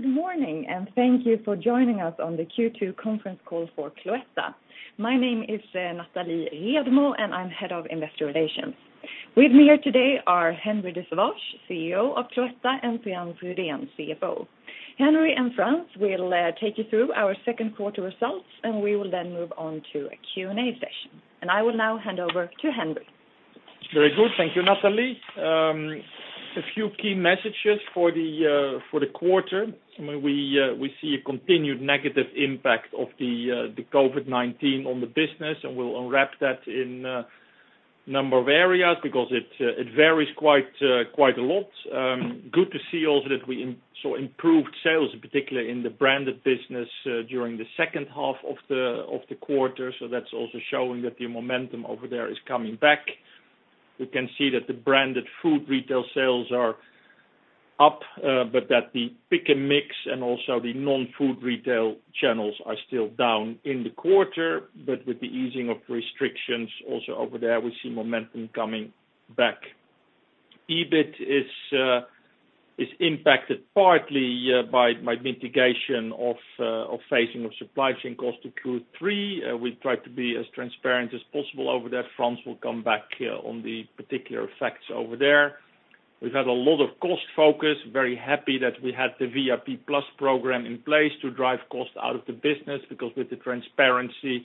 Good morning, and thank you for joining us on the Q2 Conference Call for Cloetta. My name is Nathalie Redmo, and I'm head of investor relations. With me here today are Henri de Sauvage, CEO of Cloetta, and Frans Rydén, CFO. Henri and Frans will take you through our second quarter results, and we will then move on to a Q&A session, and I will now hand over to Henri. Very good, thank you, Nathalie. A few key messages for the quarter. We see a continued negative impact of the COVID-19 on the business, and we'll unwrap that in a number of areas because it varies quite a lot. Good to see also that we saw improved sales, particularly in the branded business during the second half of the quarter. So that's also showing that the momentum over there is coming back. We can see that the branded food retail sales are up, but that the pick-and-mix and also the non-food retail channels are still down in the quarter. But with the easing of restrictions also over there, we see momentum coming back. EBIT is impacted partly by mitigation of phasing of supply chain cost to Q3. We tried to be as transparent as possible over there. Frans will come back on the particular effects over there. We've had a lot of cost focus. Very happy that we had the VIP Plus program in place to drive cost out of the business because with the transparency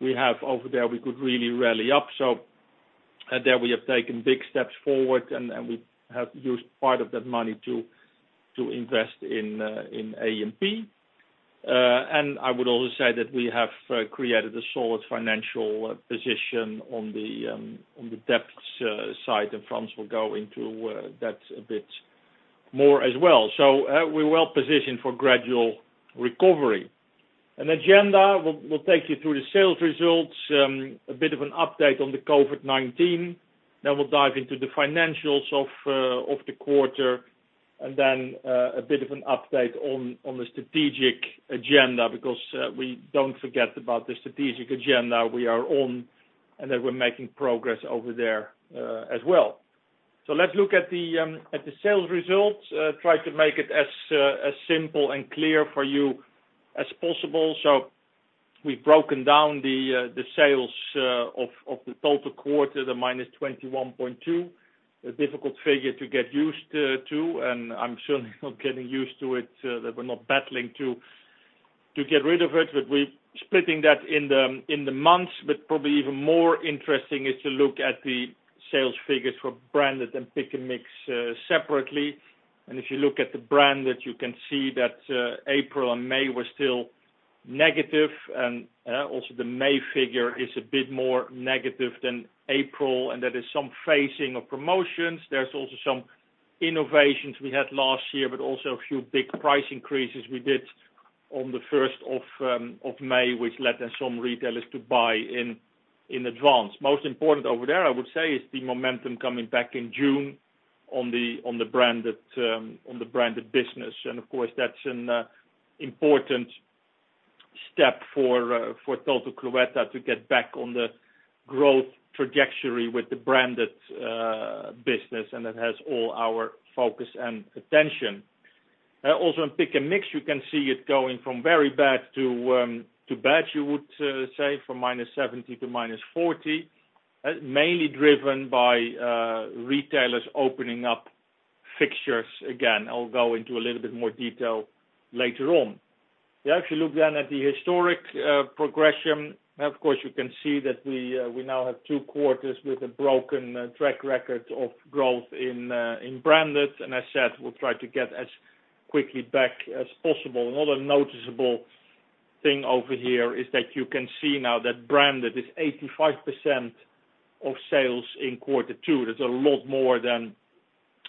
we have over there, we could really rally up. So there we have taken big steps forward, and we have used part of that money to invest in A&P. And I would also say that we have created a solid financial position on the debt side, and Frans will go into that a bit more as well. So we're well positioned for gradual recovery. An agenda: we'll take you through the sales results, a bit of an update on the COVID-19, then we'll dive into the financials of the quarter, and then a bit of an update on the strategic agenda because we don't forget about the strategic agenda we are on, and that we're making progress over there as well. So let's look at the sales results. Tried to make it as simple and clear for you as possible. So we've broken down the sales of the total quarter, the -21.2%, a difficult figure to get used to, and I'm certainly not getting used to it that we're not battling to get rid of it, but we're splitting that in the months. But probably even more interesting is to look at the sales figures for branded and pick-and-mix separately. And if you look at the branded, you can see that April and May were still negative, and also the May figure is a bit more negative than April, and that is some phasing of promotions. There's also some innovations we had last year, but also a few big price increases we did on the 1st of May, which led then some retailers to buy in advance. Most important over there, I would say, is the momentum coming back in June on the branded business. And of course, that's an important step for total Cloetta to get back on the growth trajectory with the branded business, and that has all our focus and attention. Also in pick-and-mix, you can see it going from very bad to bad, you would say, from -70 to-40, mainly driven by retailers opening up fixtures again. I'll go into a little bit more detail later on. Yeah, if you look then at the historic progression, of course, you can see that we now have two quarters with a broken track record of growth in branded, and as I said, we'll try to get as quickly back as possible. Another noticeable thing over here is that you can see now that branded is 85% of sales in quarter two. That's a lot more than,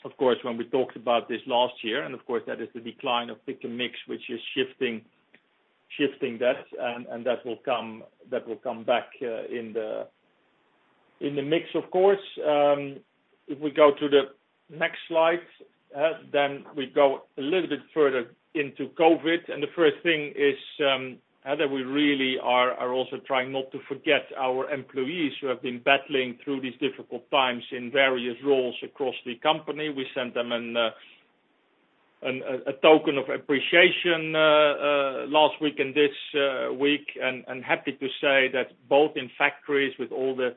of course, when we talked about this last year, and of course, that is the decline of pick-and-mix, which is shifting that, and that will come back in the mix, of course. If we go to the next slide, then we go a little bit further into COVID, and the first thing is that we really are also trying not to forget our employees who have been battling through these difficult times in various roles across the company. We sent them a token of appreciation last week and this week, and, happy to say, that both in factories, with all the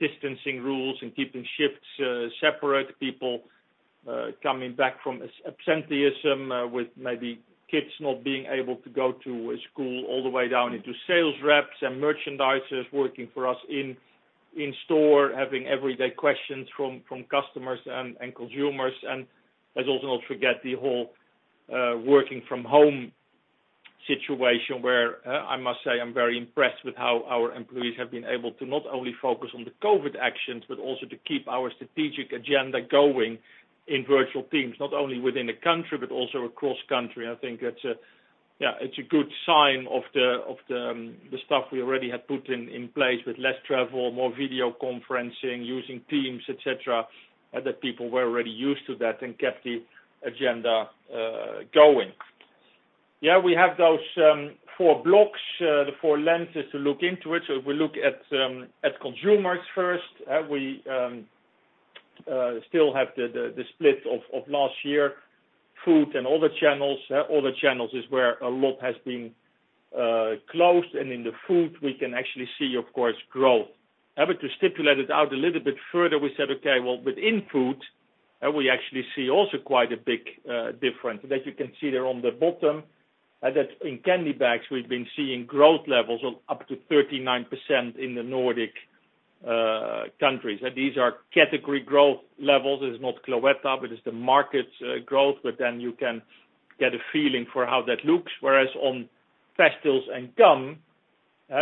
distancing rules and keeping shifts separate, people coming back from absenteeism with maybe kids not being able to go to school, all the way down into sales reps and merchandisers working for us in store, having everyday questions from customers and consumers. Let's also not forget the whole working from home situation where I must say I'm very impressed with how our employees have been able to not only focus on the COVID actions, but also to keep our strategic agenda going in virtual teams, not only within the country, but also across country. I think that's, yeah, it's a good sign of the stuff we already had put in place with less travel, more video conferencing, using Teams, etc., and that people were already used to that and kept the agenda going. Yeah, we have those four blocks, the four lenses to look into it. If we look at consumers first, we still have the split of last year, food and other channels. Other channels is where a lot has been closed, and in the food, we can actually see, of course, growth. But to stipulate it out a little bit further, we said, "Okay, well, within food, we actually see also quite a big difference." That you can see there on the bottom, that in candy bags, we've been seeing growth levels of up to 39% in the Nordic countries. And these are category growth levels. It's not Cloetta, but it's the market growth, but then you can get a feeling for how that looks. Whereas on pastilles and gum,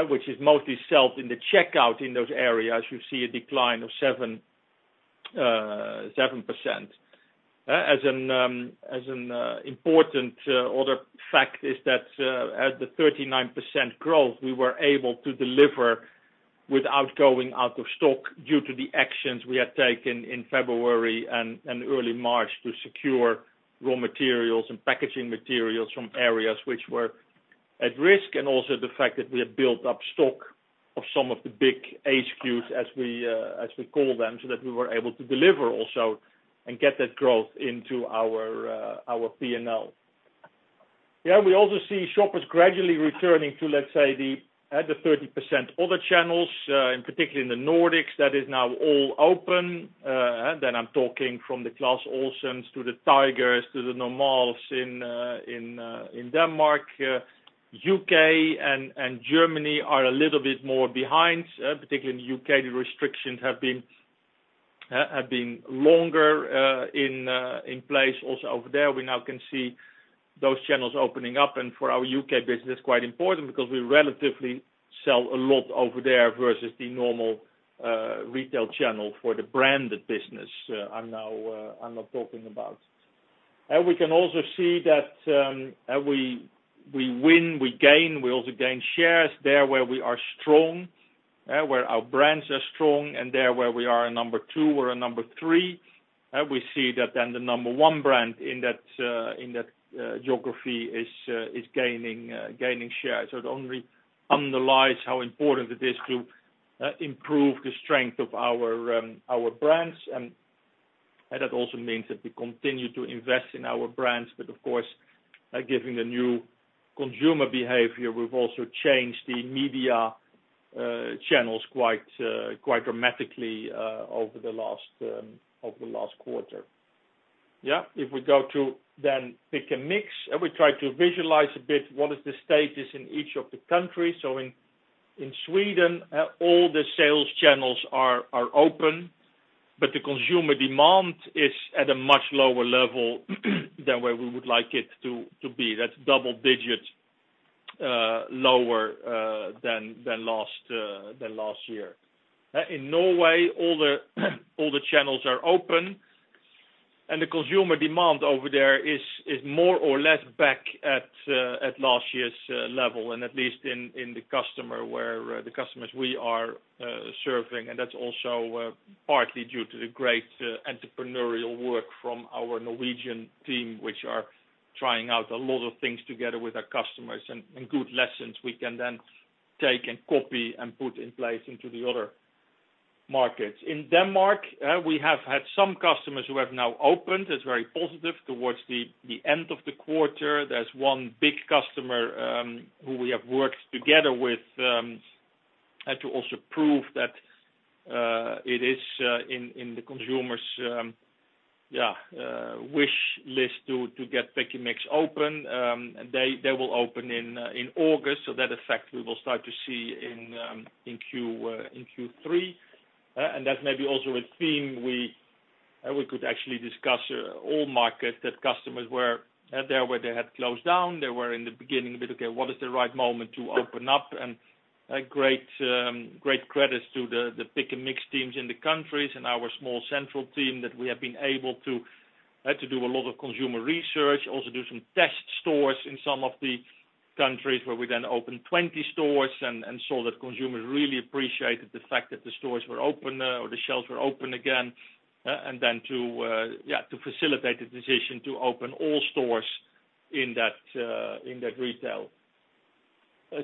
which is mostly sold in the checkout in those areas, you see a decline of 7%. As an important other fact is that at the 39% growth, we were able to deliver without going out of stock due to the actions we had taken in February and early March to secure raw materials and packaging materials from areas which were at risk, and also the fact that we had built up stock of some of the big A-SKUs, as we call them, so that we were able to deliver also and get that growth into our P&L. Yeah, we also see shoppers gradually returning to, let's say, the 30% other channels, and particularly in the Nordics, that is now all open. Then I'm talking from the Clas Ohlson to the Tigers to the Normal in Denmark. U.K. and Germany are a little bit more behind, particularly in the U.K. The restrictions have been longer in place also over there. We now can see those channels opening up, and for our U.K. business, it's quite important because we relatively sell a lot over there versus the normal retail channel for the branded business I'm now talking about, and we can also see that we win, we gain, we also gain shares there where we are strong, where our brands are strong, and there where we are a number two or a number three. We see that then the number one brand in that geography is gaining shares, so it only underlies how important it is to improve the strength of our brands, and that also means that we continue to invest in our brands, but of course, given the new consumer behavior, we've also changed the media channels quite dramatically over the last quarter. Yeah, if we go to then pick-and-mix, we try to visualize a bit what is the status in each of the countries. So in Sweden, all the sales channels are open, but the consumer demand is at a much lower level than where we would like it to be. That's double-digit lower than last year. In Norway, all the channels are open, and the consumer demand over there is more or less back at last year's level, and at least in the customer where the customers we are serving, and that's also partly due to the great entrepreneurial work from our Norwegian team, which are trying out a lot of things together with our customers and good lessons we can then take and copy and put in place into the other markets. In Denmark, we have had some customers who have now opened. It's very positive towards the end of the quarter. There's one big customer who we have worked together with to also prove that it is in the consumer's, yeah, wish list to get pick-and-mix open, and they will open in August. So that effect we will start to see in Q3, and that's maybe also a theme we could actually discuss all markets, that customers were there where they had closed down. They were in the beginning, but okay, what is the right moment to open up? And great credit to the pick-and-mix teams in the countries and our small central team that we have been able to do a lot of consumer research, also do some test stores in some of the countries where we then opened 20 stores and saw that consumers really appreciated the fact that the stores were open or the shelves were open again, and then to facilitate the decision to open all stores in that retail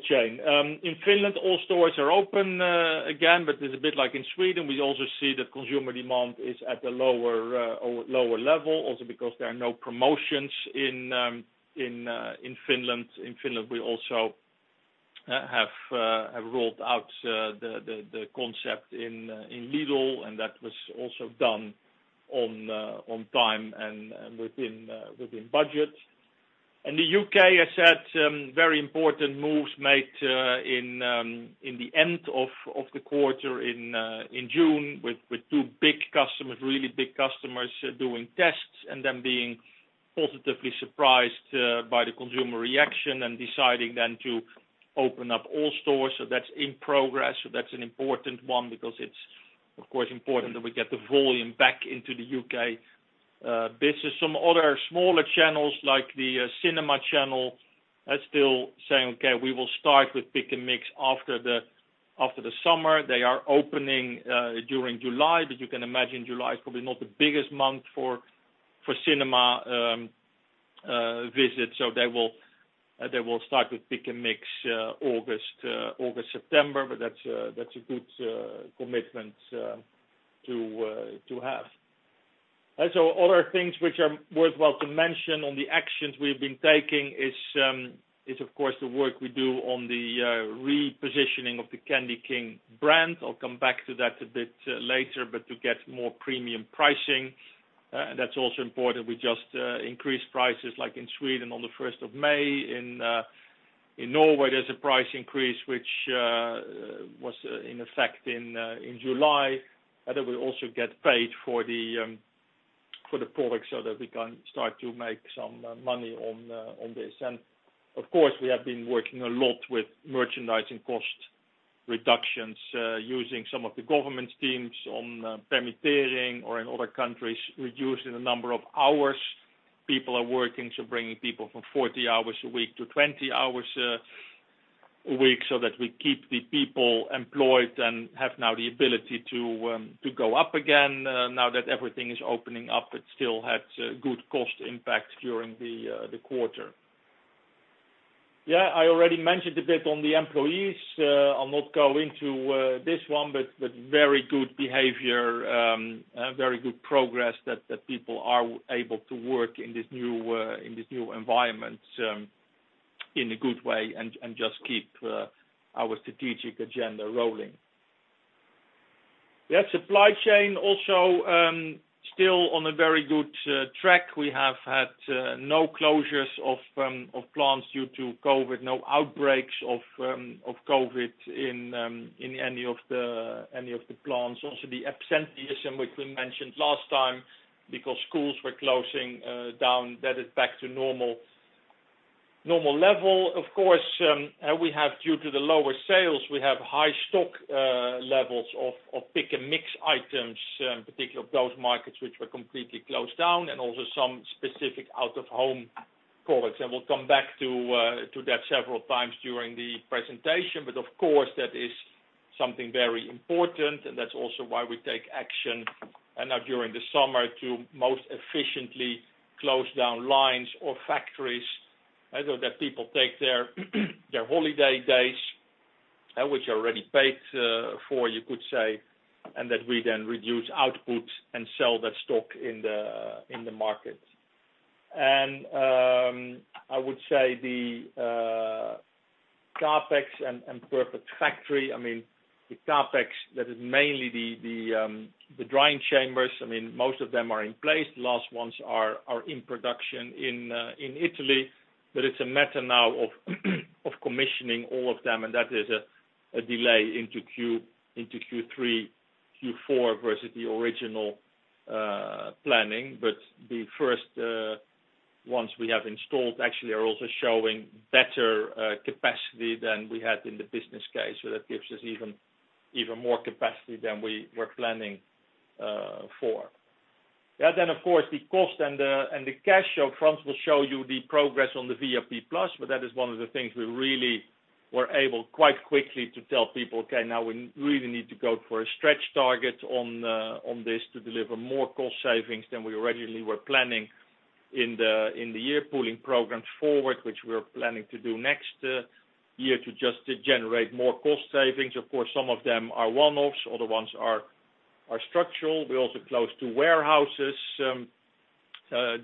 chain. In Finland, all stores are open again, but it's a bit like in Sweden. We also see that consumer demand is at a lower level, also because there are no promotions in Finland. In Finland, we also have rolled out the concept in Lidl, and that was also done on time and within budget. And the U.K., as I said, very important moves made in the end of the quarter in June with two big customers, really big customers doing tests and then being positively surprised by the consumer reaction and deciding then to open up all stores. So that's in progress. So that's an important one because it's, of course, important that we get the volume back into the U.K. business. Some other smaller channels like the cinema channel are still saying, "Okay, we will start with pick-and-mix after the summer." They are opening during July, but you can imagine July is probably not the biggest month for cinema visits, so they will start with pick-and-mix August, September, but that's a good commitment to have. Other things which are worthwhile to mention on the actions we've been taking is, of course, the work we do on the repositioning of the Candy King brand. I'll come back to that a bit later, but to get more premium pricing, and that's also important. We just increased prices like in Sweden on the 1st of May. In Norway, there's a price increase which was in effect in July that we also get paid for the product so that we can start to make some money on this. Of course, we have been working a lot with merchandising cost reductions using some of the government's teams on permittering or in other countries, reducing the number of hours people are working. So, bringing people from 40 hours a week to 20 hours a week so that we keep the people employed and have now the ability to go up again. Now that everything is opening up, it still had good cost impact during the quarter. Yeah, I already mentioned a bit on the employees. I'll not go into this one, but very good behavior, very good progress that people are able to work in this new environment in a good way and just keep our strategic agenda rolling. Yeah, supply chain also still on a very good track. We have had no closures of plants due to COVID-19, no outbreaks of COVID-19 in any of the plants. Also the absenteeism, which we mentioned last time because schools were closing down, that is back to normal level. Of course, due to the lower sales, we have high stock levels of pick-and-mix items, particularly of those markets which were completely closed down, and also some specific out-of-home products, and we'll come back to that several times during the presentation, but of course, that is something very important, and that's also why we take action now during the summer to most efficiently close down lines or factories so that people take their holiday days, which are already paid for, you could say, and that we then reduce output and sell that stock in the market, and I would say the Capex and Perfect Factory, I mean, the Capex, that is mainly the drying chambers. I mean, most of them are in place. The last ones are in production in Italy, but it's a matter now of commissioning all of them, and that is a delay into Q3, Q4 versus the original planning. But the first ones we have installed actually are also showing better capacity than we had in the business case, so that gives us even more capacity than we were planning for. Yeah, then of course, the cost and the cash show. Frans will show you the progress on the VIP Plus, but that is one of the things we really were able quite quickly to tell people, "Okay, now we really need to go for a stretch target on this to deliver more cost savings than we originally were planning in the year," pulling programs forward, which we were planning to do next year to just generate more cost savings. Of course, some of them are one-offs. Other ones are structural. We also closed two warehouses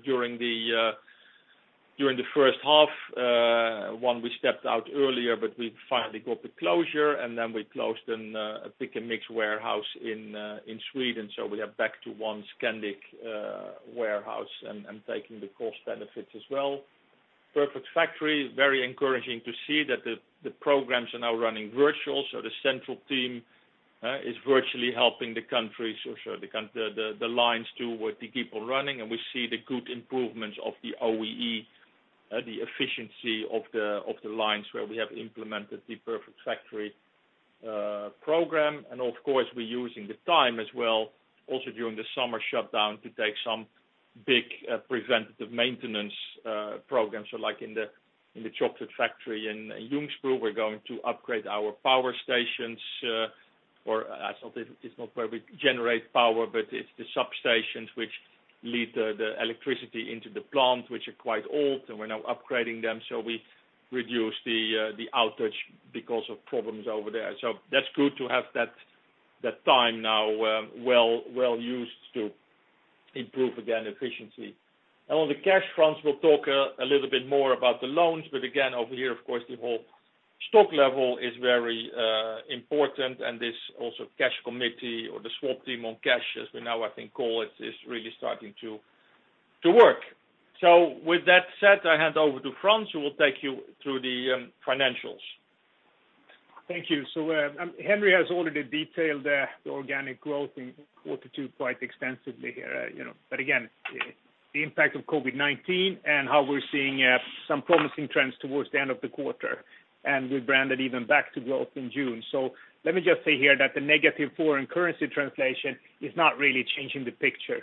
during the first half, one we stepped out earlier, but we finally got the closure, and then we closed a pick-and-mix warehouse in Sweden, so we are back to one Scandinavian warehouse and taking the cost benefits as well. Perfect Factory, very encouraging to see that the programs are now running virtually, so the central team is virtually helping the countries or the lines to keep on running, and we see the good improvements of the OEE, the efficiency of the lines where we have implemented the Perfect Factory program, and of course, we're using the time as well, also during the summer shutdown, to take some big preventative maintenance programs. So like in the chocolate factory in Ljungsbro, we're going to upgrade our power stations, or it's not where we generate power, but it's the substations which lead the electricity into the plant, which are quite old, and we're now upgrading them. So we reduce the outage because of problems over there. So that's good to have that time now well used to improve again efficiency. And on the cash, Frans will talk a little bit more about the loans, but again, over here, of course, the whole stock level is very important, and this also cash committee or the swap team on cash, as we now, I think, call it, is really starting to work. So with that said, I hand over to Frans, who will take you through the financials. Thank you. So Henri has already detailed the organic growth in quarter two quite extensively here. But again, the impact of COVID-19 and how we're seeing some promising trends towards the end of the quarter, and we returned even back to growth in June. So let me just say here that the negative foreign currency translation is not really changing the picture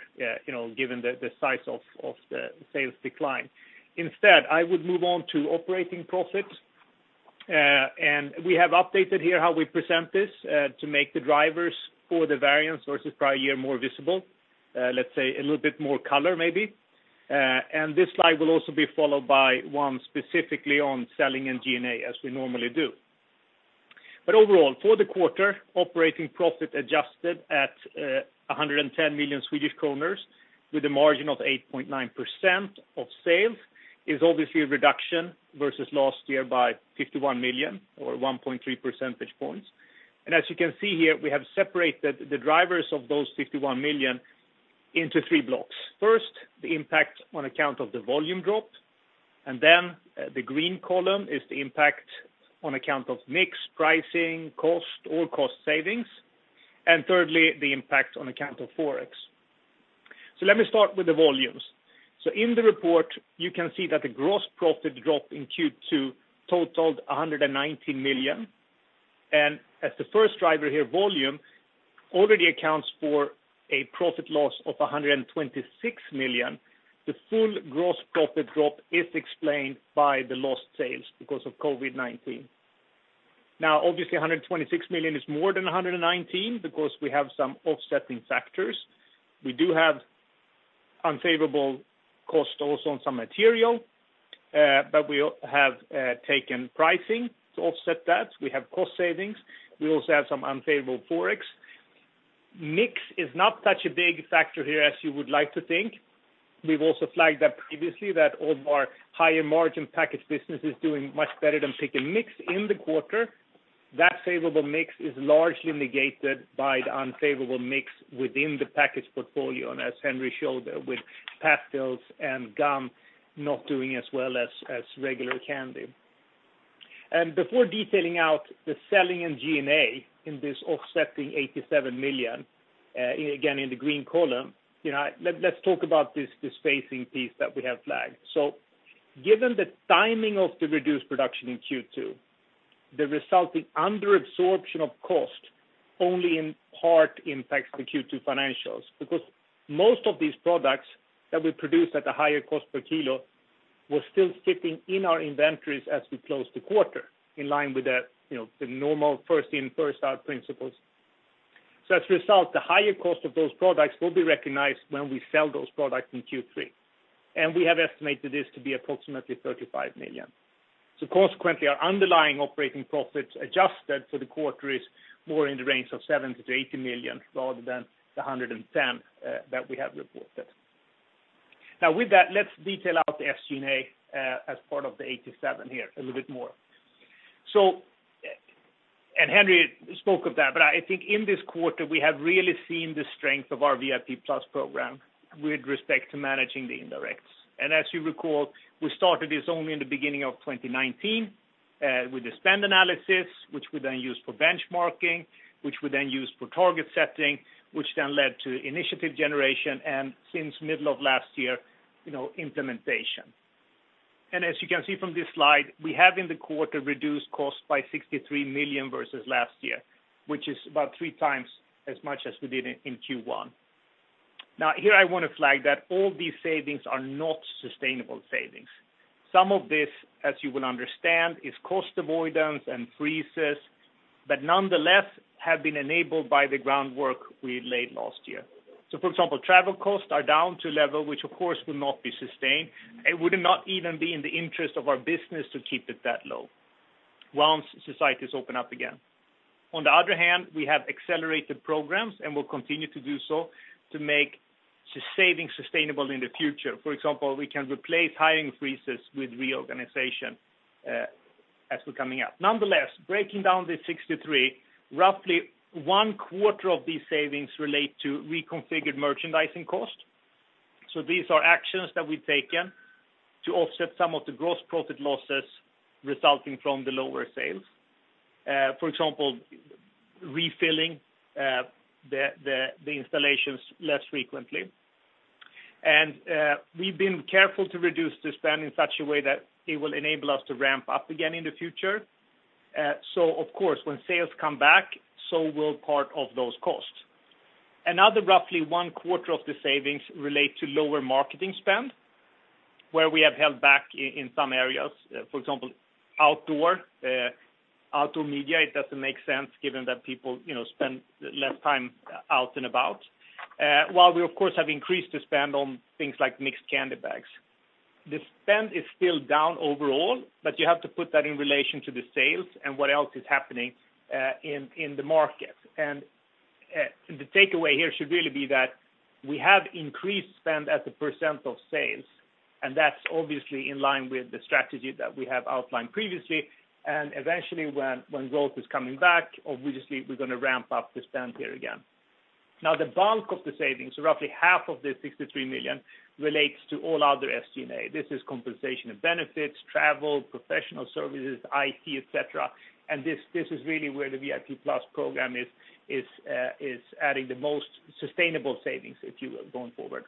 given the size of the sales decline. Instead, I would move on to operating profits, and we have updated here how we present this to make the drivers for the variance versus prior year more visible, let's say a little bit more color maybe. And this slide will also be followed by one specifically on selling and G&A, as we normally do. But overall, for the quarter, operating profit adjusted at 110 million Swedish kronor with a margin of 8.9% of sales is obviously a reduction versus last year by 51 million SEK or 1.3 percentage points. And as you can see here, we have separated the drivers of those 51 million into three blocks. First, the impact on account of the volume drop, and then the green column is the impact on account of mix pricing, cost, or cost savings. And thirdly, the impact on account of forex. So let me start with the volumes. So in the report, you can see that the gross profit drop in Q2 totaled 119 million. And as the first driver here, volume, already accounts for a profit loss of 126 million. The full gross profit drop is explained by the lost sales because of COVID-19. Now, obviously, 126 million is more than 119 million because we have some offsetting factors. We do have unfavorable costs also on some material, but we have taken pricing to offset that. We have cost savings. We also have some unfavorable forex. Mix is not such a big factor here as you would like to think. We've also flagged that previously, that all of our higher margin package business is doing much better than pick-and-mix in the quarter. That favorable mix is largely negated by the unfavorable mix within the package portfolio, and as Henri showed there with pastilles and gum not doing as well as regular candy, and before detailing out the selling and G&A in this offsetting 87 million, again in the green column, let's talk about this spacing piece that we have flagged. Given the timing of the reduced production in Q2, the resulting underabsorption of cost only in part impacts the Q2 financials because most of these products that we produce at a higher cost per kilo were still sitting in our inventories as we closed the quarter in line with the normal first in, first out principles. So as a result, the higher cost of those products will be recognized when we sell those products in Q3, and we have estimated this to be approximately 35 million. So consequently, our underlying operating profits adjusted for the quarter is more in the range of 70-80 million rather than the 110 million that we have reported. Now, with that, let's detail out the SG&A as part of the 87 million here a little bit more. Henri spoke of that, but I think in this quarter we have really seen the strength of our VIP Plus program with respect to managing the indirects. As you recall, we started this only in the beginning of 2019 with the spend analysis, which we then used for benchmarking, which we then used for target setting, which then led to initiative generation, and since middle of last year, implementation. As you can see from this slide, we have in the quarter reduced cost by 63 million versus last year, which is about three times as much as we did in Q1. Now, here I want to flag that all these savings are not sustainable savings. Some of this, as you will understand, is cost avoidance and freezes, but nonetheless have been enabled by the groundwork we laid last year. So for example, travel costs are down to a level which, of course, will not be sustained. It would not even be in the interest of our business to keep it that low once societies open up again. On the other hand, we have accelerated programs and will continue to do so to make savings sustainable in the future. For example, we can replace hiring freezes with reorganization as we're coming up. Nonetheless, breaking down the 63, roughly one quarter of these savings relate to reconfigured merchandising cost. So these are actions that we've taken to offset some of the gross profit losses resulting from the lower sales. For example, refilling the installations less frequently. And we've been careful to reduce the spend in such a way that it will enable us to ramp up again in the future. Of course, when sales come back, so will part of those costs. Another roughly one quarter of the savings relate to lower marketing spend, where we have held back in some areas. For example, outdoor media, it doesn't make sense given that people spend less time out and about, while we, of course, have increased the spend on things like mixed candy bags. The spend is still down overall, but you have to put that in relation to the sales and what else is happening in the market. The takeaway here should really be that we have increased spend at the percent of sales, and that's obviously in line with the strategy that we have outlined previously. Eventually, when growth is coming back, obviously, we're going to ramp up the spend here again. Now, the bulk of the savings, roughly SEK 31.5 million of the 63 million, relates to all other SG&A. This is compensation and benefits, travel, professional services, IT, etc. And this is really where the VIP Plus program is adding the most sustainable savings, if you will, going forward.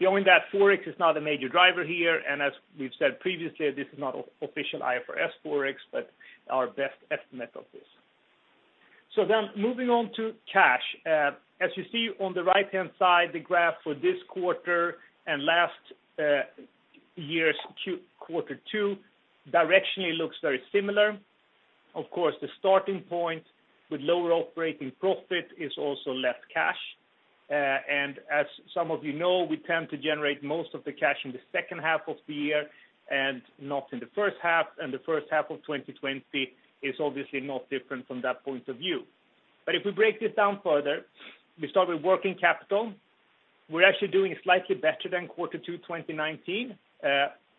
Knowing that forex is not a major driver here, and as we've said previously, this is not official IFRS forex, but our best estimate of this. So then moving on to cash. As you see on the right-hand side, the graph for this quarter and last year's quarter two directionally looks very similar. Of course, the starting point with lower operating profit is also less cash. And as some of you know, we tend to generate most of the cash in the second half of the year and not in the first half. The first half of 2020 is obviously not different from that point of view. If we break this down further, we start with working capital. We're actually doing slightly better than quarter two 2019,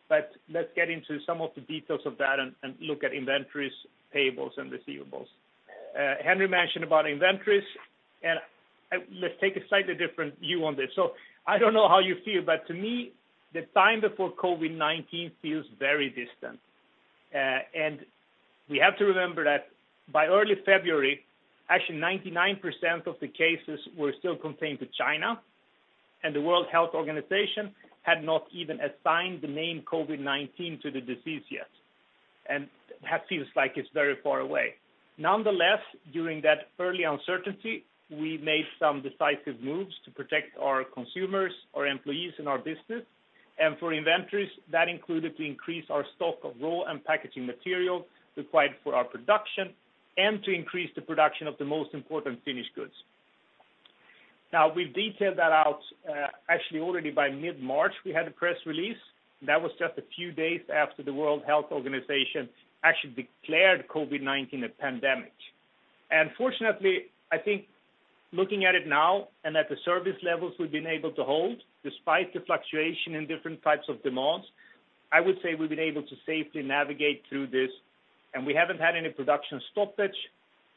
but let's get into some of the details of that and look at inventories, payables, and receivables. Henri mentioned about inventories, and let's take a slightly different view on this. I don't know how you feel, but to me, the time before COVID-19 feels very distant. We have to remember that by early February, actually 99% of the cases were still contained to China, and the World Health Organization had not even assigned the name COVID-19 to the disease yet, and that feels like it's very far away. Nonetheless, during that early uncertainty, we made some decisive moves to protect our consumers, our employees, and our business. For inventories, that included to increase our stock of raw and packaging material required for our production and to increase the production of the most important finished goods. Now, we've detailed that out actually already by mid-March. We had a press release that was just a few days after the World Health Organization actually declared COVID-19 a pandemic. Fortunately, I think looking at it now and at the service levels we've been able to hold, despite the fluctuation in different types of demands, I would say we've been able to safely navigate through this, and we haven't had any production stoppage,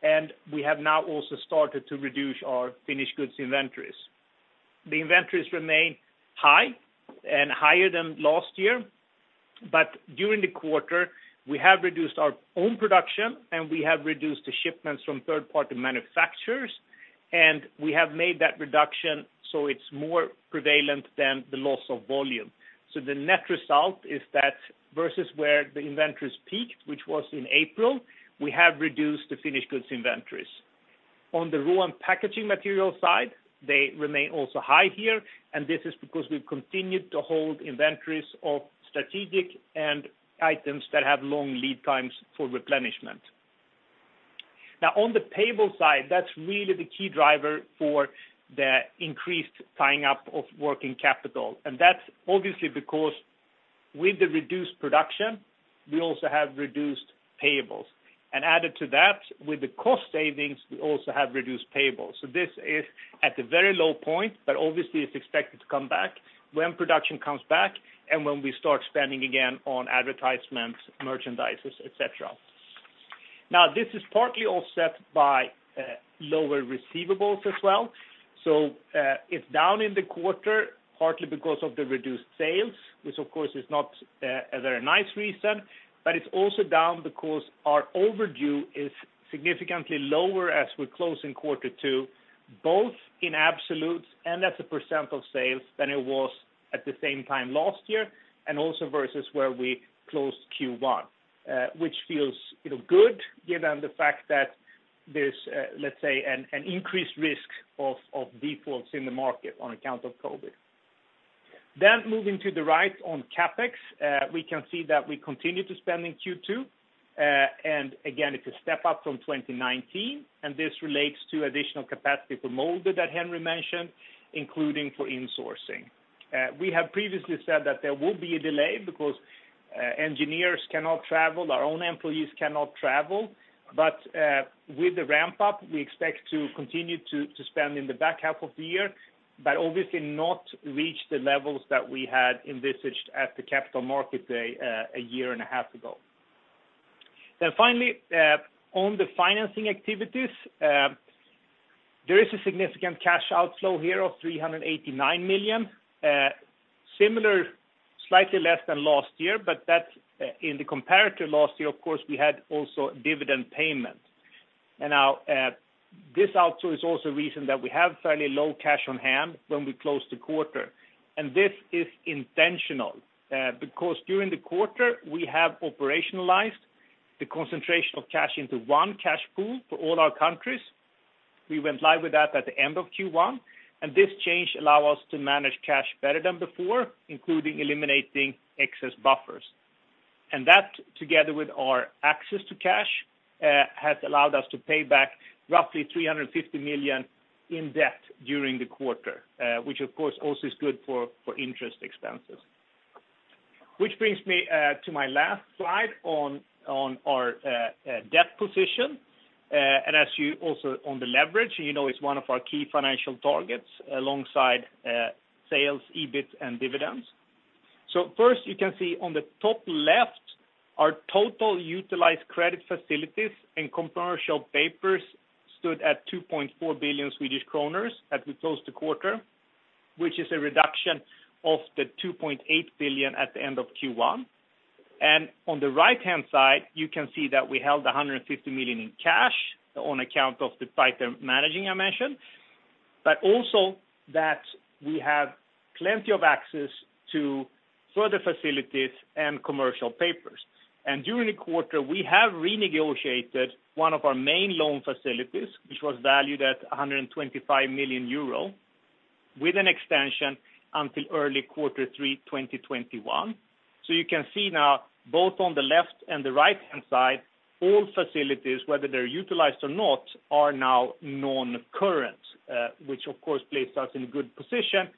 and we have now also started to reduce our finished goods inventories. The inventories remain high and higher than last year, but during the quarter, we have reduced our own production, and we have reduced the shipments from third-party manufacturers, and we have made that reduction so it's more prevalent than the loss of volume. So the net result is that versus where the inventories peaked, which was in April, we have reduced the finished goods inventories. On the raw and packaging material side, they remain also high here, and this is because we've continued to hold inventories of strategic items that have long lead times for replenishment. Now, on the payable side, that's really the key driver for the increased tying up of working capital, and that's obviously because with the reduced production, we also have reduced payables, and added to that, with the cost savings, we also have reduced payables. So this is at a very low point, but obviously it's expected to come back when production comes back and when we start spending again on advertisements, merchandises, etc. Now, this is partly offset by lower receivables as well. So it's down in the quarter partly because of the reduced sales, which of course is not a very nice reason, but it's also down because our overdue is significantly lower as we're closing quarter two, both in absolutes and as a % of sales than it was at the same time last year, and also versus where we closed Q1, which feels good given the fact that there's, let's say, an increased risk of defaults in the market on account of COVID. Then moving to the right on CapEx, we can see that we continue to spend in Q2, and again, it's a step up from 2019, and this relates to additional capacity for molding that Henri mentioned, including for insourcing. We have previously said that there will be a delay because engineers cannot travel, our own employees cannot travel, but with the ramp-up, we expect to continue to spend in the back half of the year, but obviously not reach the levels that we had envisaged at the Capital Markets Day a year and a half ago. Then finally, on the financing activities, there is a significant cash outflow here of 389 million. Similar, slightly less than last year, but that's in the comparator last year. Of course, we had also dividend payment. Now this outflow is also a reason that we have fairly low cash on hand when we close the quarter. This is intentional because during the quarter, we have operationalized the concentration of cash into one cash pool for all our countries. We went live with that at the end of Q1, and this change allows us to manage cash better than before, including eliminating excess buffers. That, together with our access to cash, has allowed us to pay back roughly 350 million in debt during the quarter, which of course also is good for interest expenses. Which brings me to my last slide on our debt position. As you also on the leverage, and you know it's one of our key financial targets alongside sales, EBIT, and dividends. First, you can see on the top left, our total utilized credit facilities and commercial papers stood at 2.4 billion Swedish kronor as we closed the quarter, which is a reduction of the 2.8 billion at the end of Q1. On the right-hand side, you can see that we held 150 million in cash on account of the tighter managing I mentioned, but also that we have plenty of access to further facilities and commercial papers. During the quarter, we have renegotiated one of our main loan facilities, which was valued at 125 million euro with an extension until early quarter three 2021. So you can see now both on the left and the right-hand side, all facilities, whether they're utilized or not, are now non-current, which of course places us in a good position,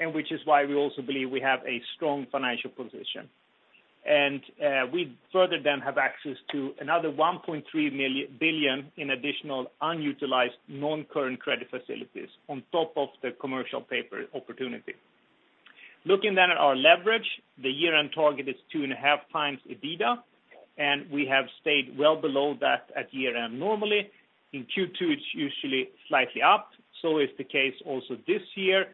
and which is why we also believe we have a strong financial position. And we further then have access to another 1.3 billion in additional unutilized non-current credit facilities on top of the commercial paper opportunity. Looking then at our leverage, the year-end target is two and a half times EBITDA, and we have stayed well below that at year-end normally. In Q2, it's usually slightly up. So is the case also this year,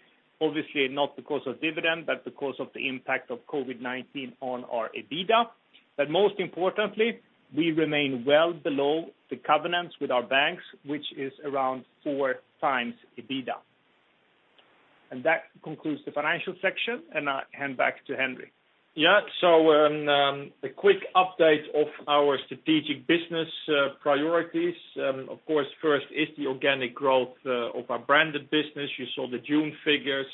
obviously not because of dividend, but because of the impact of COVID-19 on our EBITDA. But most importantly, we remain well below the covenants with our banks, which is around four times EBITDA. That concludes the financial section, and I hand back to Henri. Yeah, so a quick update of our strategic business priorities. Of course, first is the organic growth of our branded business. You saw the June figures.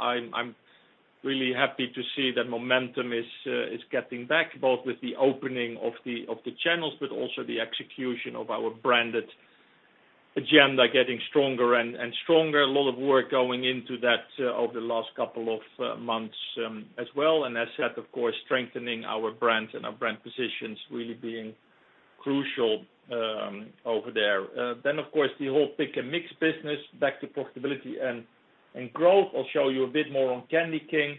I'm really happy to see that momentum is getting back, both with the opening of the channels, but also the execution of our branded agenda getting stronger and stronger. A lot of work going into that over the last couple of months as well. And as said, of course, strengthening our brand and our brand positions really being crucial over there. Then, of course, the whole pick-and-mix business, back to profitability and growth. I'll show you a bit more on Candy King,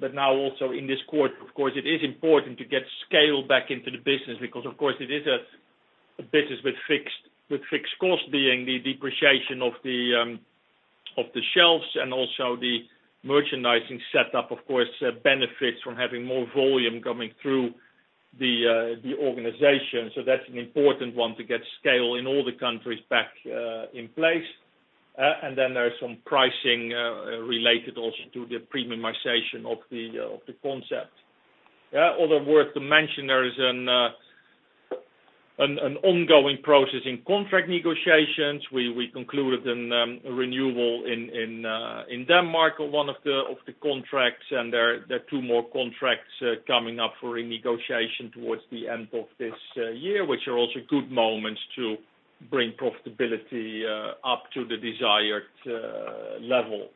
but now also in this quarter, of course, it is important to get scale back into the business because, of course, it is a business with fixed costs being the depreciation of the shelves and also the merchandising setup, of course, benefits from having more volume coming through the organization. So that's an important one to get scale in all the countries back in place. And then there's some pricing related also to the premiumization of the concept. Other words to mention, there is an ongoing process in contract negotiations. We concluded a renewal in Denmark on one of the contracts, and there are two more contracts coming up for renegotiation towards the end of this year, which are also good moments to bring profitability up to the desired level.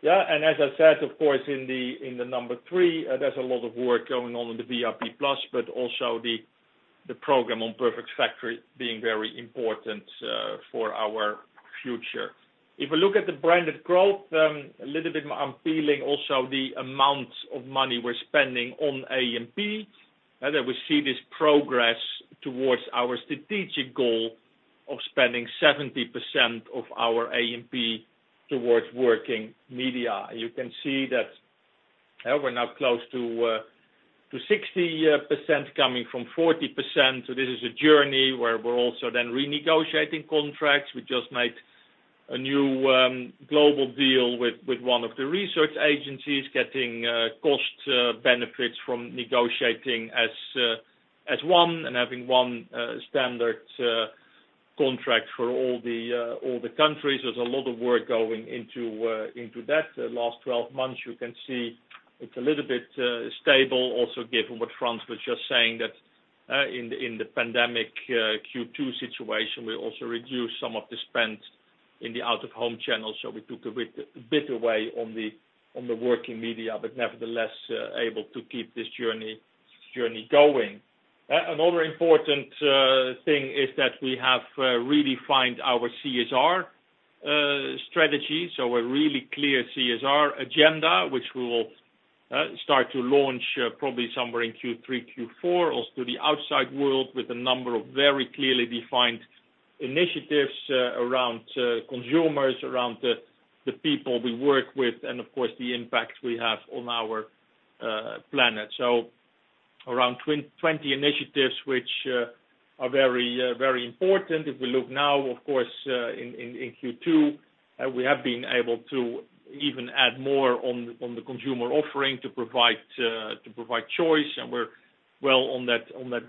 Yeah, and as I said, of course, in the number three, there's a lot of work going on in the VIP Plus, but also the program on Perfect Factory being very important for our future. If we look at the branded growth, a little bit more appealing also the amount of money we're spending on A&P. We see this progress towards our strategic goal of spending 70% of our A&P towards working media. You can see that we're now close to 60% coming from 40%. So this is a journey where we're also then renegotiating contracts. We just made a new global deal with one of the research agencies, getting cost benefits from negotiating as one and having one standard contract for all the countries. There's a lot of work going into that. The last 12 months, you can see it's a little bit stable, also given what Frans was just saying that in the pandemic Q2 situation, we also reduced some of the spend in the out-of-home channel, so we took a bit away on the working media, but nevertheless able to keep this journey going. Another important thing is that we have redefined our CSR strategy, a really clear CSR agenda, which we will start to launch probably somewhere in Q3, Q4, also to the outside world with a number of very clearly defined initiatives around consumers, around the people we work with, and of course, the impact we have on our planet, around 20 initiatives, which are very important. If we look now, of course, in Q2, we have been able to even add more on the consumer offering to provide choice, and we're well on that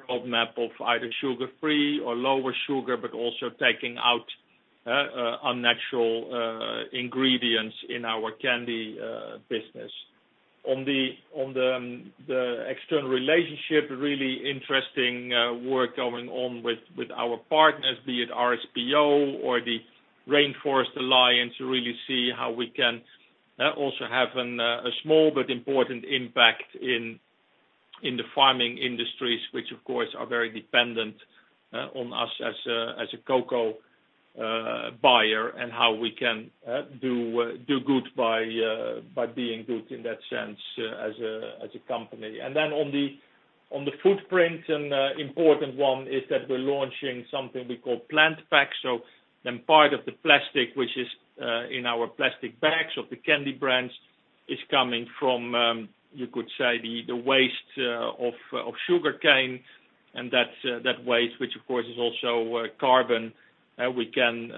roadmap of either sugar-free or lower sugar, but also taking out unnatural ingredients in our candy business. On the external relationship, really interesting work going on with our partners, be it RSPO or the Rainforest Alliance, to really see how we can also have a small but important impact in the farming industries, which of course are very dependent on us as a cocoa buyer, and how we can do good by being good in that sense as a company. And then on the footprint, an important one is that we're launching something we call PlantPack. So then part of the plastic, which is in our plastic bags of the candy brands, is coming from, you could say, the waste of sugarcane. And that waste, which of course is also carbon, we can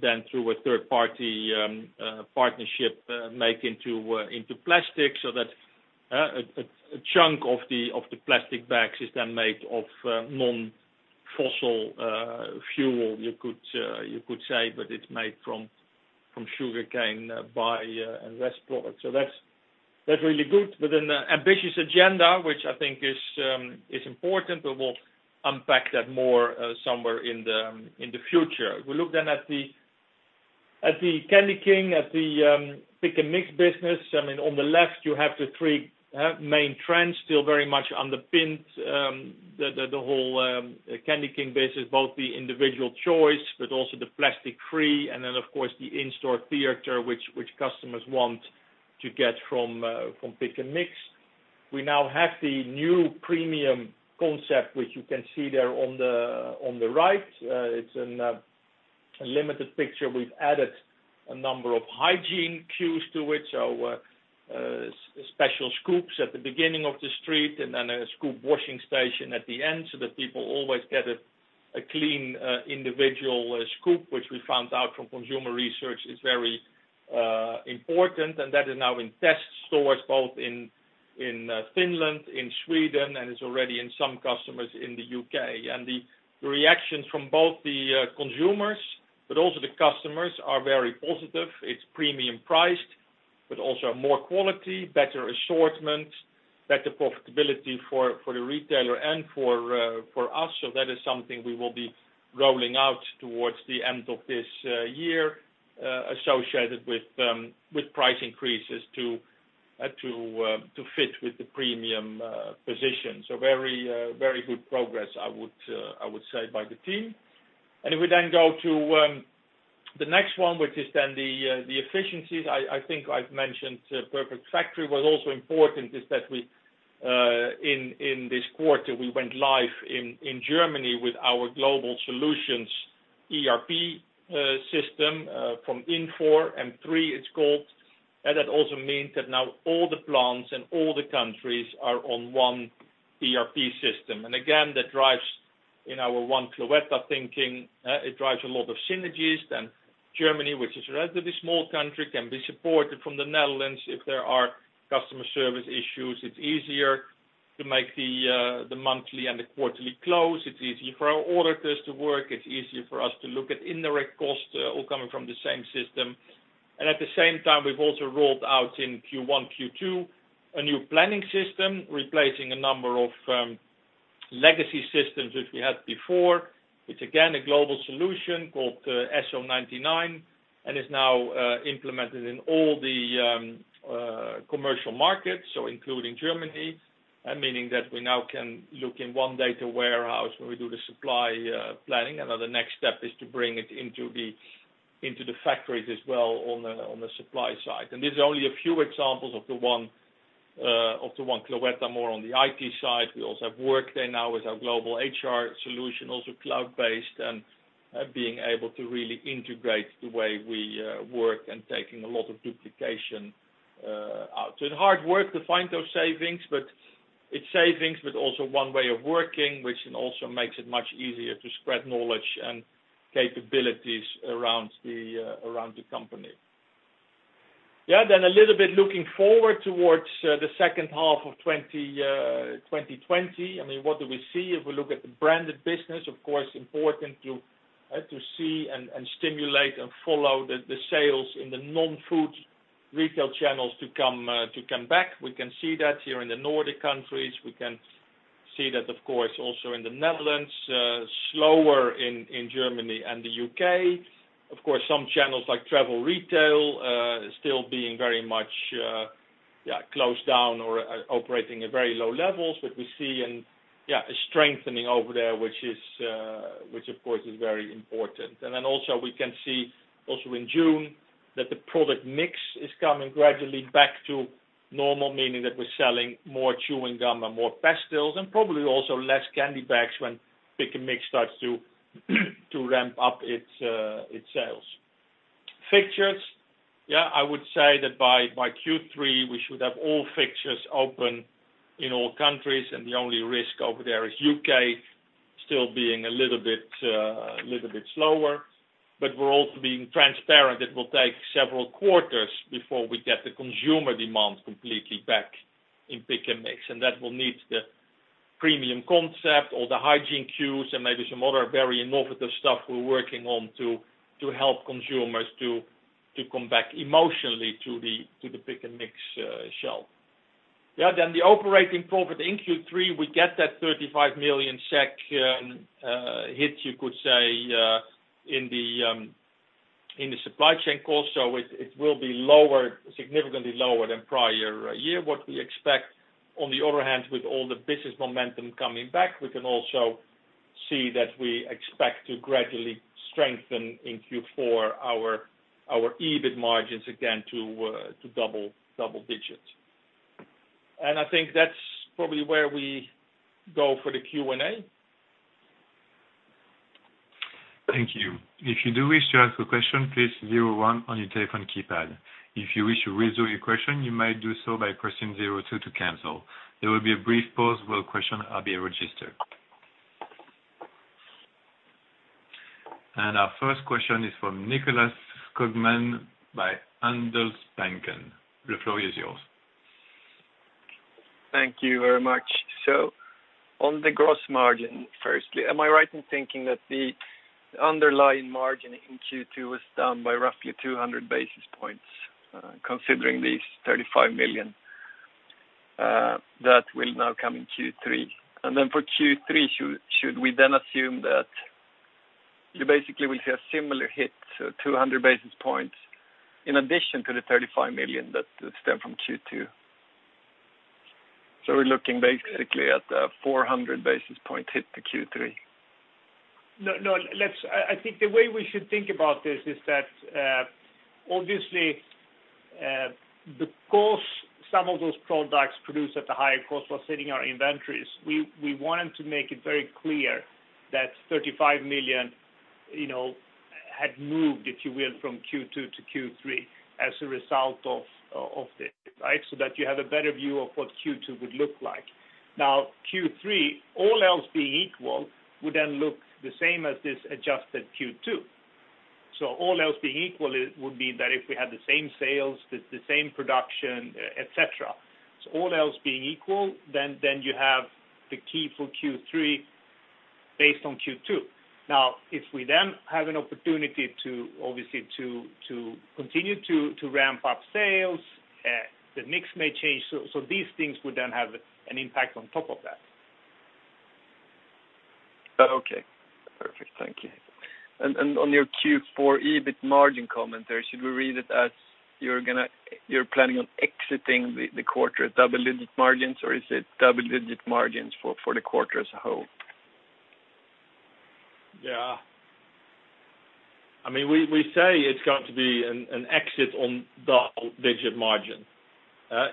then, through a third-party partnership, make into plastic so that a chunk of the plastic bags is then made of non-fossil fuel, you could say, but it's made from sugarcane by-products. So that's really good with an ambitious agenda, which I think is important. We will unpack that more somewhere in the future. If we look then at the Candy King, at the pick-and-mix business, I mean, on the left, you have the three main trends still very much underpinned the whole Candy King business, both the individual choice, but also the plastic-free, and then of course the in-store theater, which customers want to get from pick-and-mix. We now have the new premium concept, which you can see there on the right. It's a limited picture. We've added a number of hygiene cues to it, so special scoops at the beginning of the street and then a scoop washing station at the end so that people always get a clean individual scoop, which we found out from consumer research is very important, and that is now in test stores both in Finland, in Sweden, and is already in some customers in the U.K. The reactions from both the consumers, but also the customers, are very positive. It's premium priced, but also more quality, better assortment, better profitability for the retailer and for us. So that is something we will be rolling out towards the end of this year associated with price increases to fit with the premium position. So very good progress, I would say, by the team. And if we then go to the next one, which is then the efficiencies, I think I've mentioned Perfect Factory was also important is that in this quarter, we went live in Germany with our global solutions ERP system from Infor M3 it's called. That also means that now all the plants and all the countries are on one ERP system. And again, that drives in our one Cloetta thinking, it drives a lot of synergies. Germany, which is a relatively small country, can be supported from the Netherlands. If there are customer service issues, it's easier to make the monthly and the quarterly close. It's easier for our auditors to work. It's easier for us to look at indirect costs all coming from the same system. And at the same time, we've also rolled out in Q1, Q2 a new planning system replacing a number of legacy systems which we had before. It's again a global solution called SO99 and is now implemented in all the commercial markets, so including Germany, meaning that we now can look in one data warehouse when we do the supply planning. And then the next step is to bring it into the factories as well on the supply side. And these are only a few examples of the One Cloetta more on the IT side. We also have worked there now with our global HR solution, also cloud-based and being able to really integrate the way we work and taking a lot of duplication out. So it's hard work to find those savings, but it's savings, but also one way of working, which also makes it much easier to spread knowledge and capabilities around the company. Yeah, then a little bit looking forward towards the second half of 2020. I mean, what do we see if we look at the branded business? Of course, important to see and stimulate and follow the sales in the non-food retail channels to come back. We can see that here in the Nordic countries. We can see that, of course, also in the Netherlands, slower in Germany and the U.K. Of course, some channels like travel retail still being very much closed down or operating at very low levels, but we see a strengthening over there, which of course is very important. And then also we can see also in June that the product mix is coming gradually back to normal, meaning that we're selling more chewing gum and more pastilles and probably also less candy bags when pick-and-mix starts to ramp up its sales. Fixtures, yeah, I would say that by Q3, we should have all fixtures open in all countries, and the only risk over there is U.K. still being a little bit slower. But we're also being transparent that it will take several quarters before we get the consumer demand completely back in pick-and-mix, and that will need the premium concept or the hygiene cues and maybe some other very innovative stuff we're working on to help consumers to come back emotionally to the pick-and-mix shelf. Yeah, then the operating profit in Q3, we get that 35 million SEK hit, you could say, in the supply chain cost. So it will be lower, significantly lower than prior year, what we expect. On the other hand, with all the business momentum coming back, we can also see that we expect to gradually strengthen in Q4 our EBIT margins again to double digits. And I think that's probably where we go for the Q&A. Thank you. If you do wish to ask a question, please use zero one on your telephone keypad. If you wish to resolve your question, you may do so by pressing zero two to cancel. There will be a brief pause while the question is being registered. And our first question is from Nicklas Skogman of Handelsbanken. The floor is yours. Thank you very much. So on the gross margin, firstly, am I right in thinking that the underlying margin in Q2 was down by roughly 200 basis points, considering these 35 million that will now come in Q3? And then for Q3, should we then assume that you basically will see a similar hit, so 200 basis points, in addition to the 35 million that stem from Q2? So we're looking basically at a 400 basis point hit to Q3. No, no. I think the way we should think about this is that, obviously, because some of those products produced at a higher cost while sitting in our inventories, we wanted to make it very clear that 35 million had moved, if you will, from Q2 to Q3 as a result of this, right? So that you have a better view of what Q2 would look like. Now, Q3, all else being equal, would then look the same as this adjusted Q2. So all else being equal, it would mean that if we had the same sales, the same production, etc. So all else being equal, then you have the key for Q3 based on Q2. Now, if we then have an opportunity to, obviously, to continue to ramp up sales, the mix may change. So these things would then have an impact on top of that. Okay. Perfect. Thank you. On your Q4 EBIT margin comment there, should we read it as you're planning on exiting the quarter at double-digit margins, or is it double-digit margins for the quarter as a whole? Yeah. I mean, we say it's going to be an exit on double-digit margin.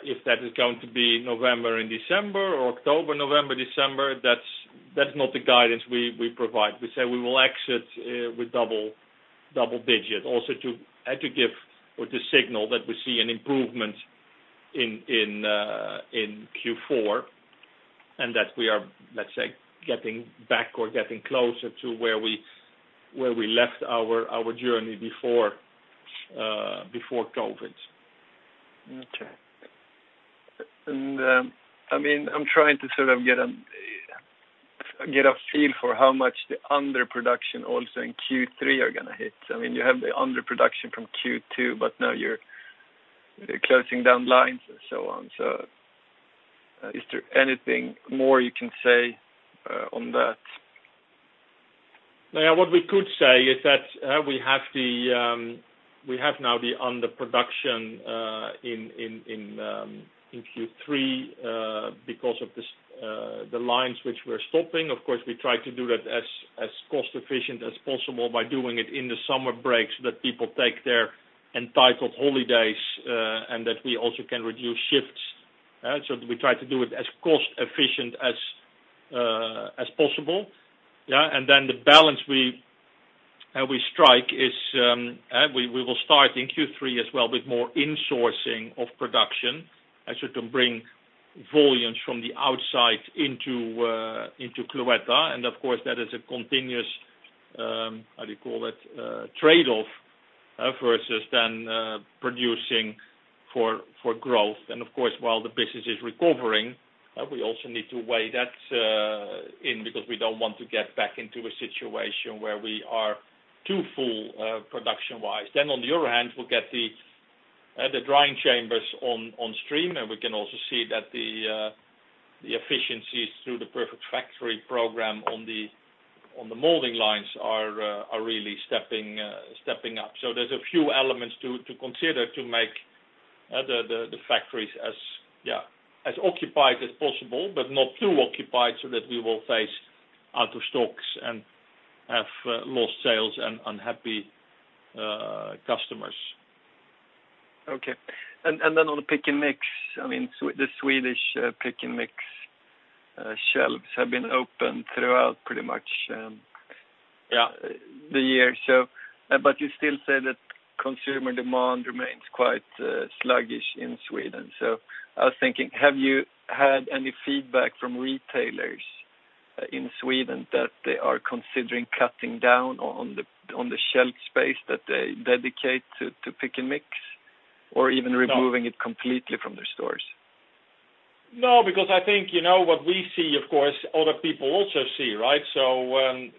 If that is going to be November and December or October, November, December, that's not the guidance we provide. We say we will exit with double-digit also to give or to signal that we see an improvement in Q4 and that we are, let's say, getting back or getting closer to where we left our journey before COVID. Okay. I mean, I'm trying to sort of get a feel for how much the underproduction also in Q3 are going to hit. I mean, you have the underproduction from Q2, but now you're closing down lines and so on. So is there anything more you can say on that? Yeah. What we could say is that we have now the underproduction in Q3 because of the lines which we're stopping. Of course, we try to do that as cost-efficient as possible by doing it in the summer break so that people take their entitled holidays and that we also can reduce shifts. So we try to do it as cost-efficient as possible. Yeah. And then the balance we strike is we will start in Q3 as well with more insourcing of production to bring volumes from the outside into Cloetta. And of course, that is a continuous, how do you call it, trade-off versus then producing for growth. And of course, while the business is recovering, we also need to weigh that in because we don't want to get back into a situation where we are too full production-wise. Then on the other hand, we'll get the drying chambers on stream, and we can also see that the efficiencies through the Perfect Factory program on the molding lines are really stepping up. So there's a few elements to consider to make the factories as occupied as possible, but not too occupied so that we will face out of stocks and have lost sales and unhappy customers. Okay. And then on the pick-and-mix, I mean, the Swedish pick-and-mix shelves have been open throughout pretty much the year. But you still say that consumer demand remains quite sluggish in Sweden. So I was thinking, have you had any feedback from retailers in Sweden that they are considering cutting down on the shelf space that they dedicate to pick-and-mix or even removing it completely from their stores? No, because I think what we see, of course, other people also see, right? So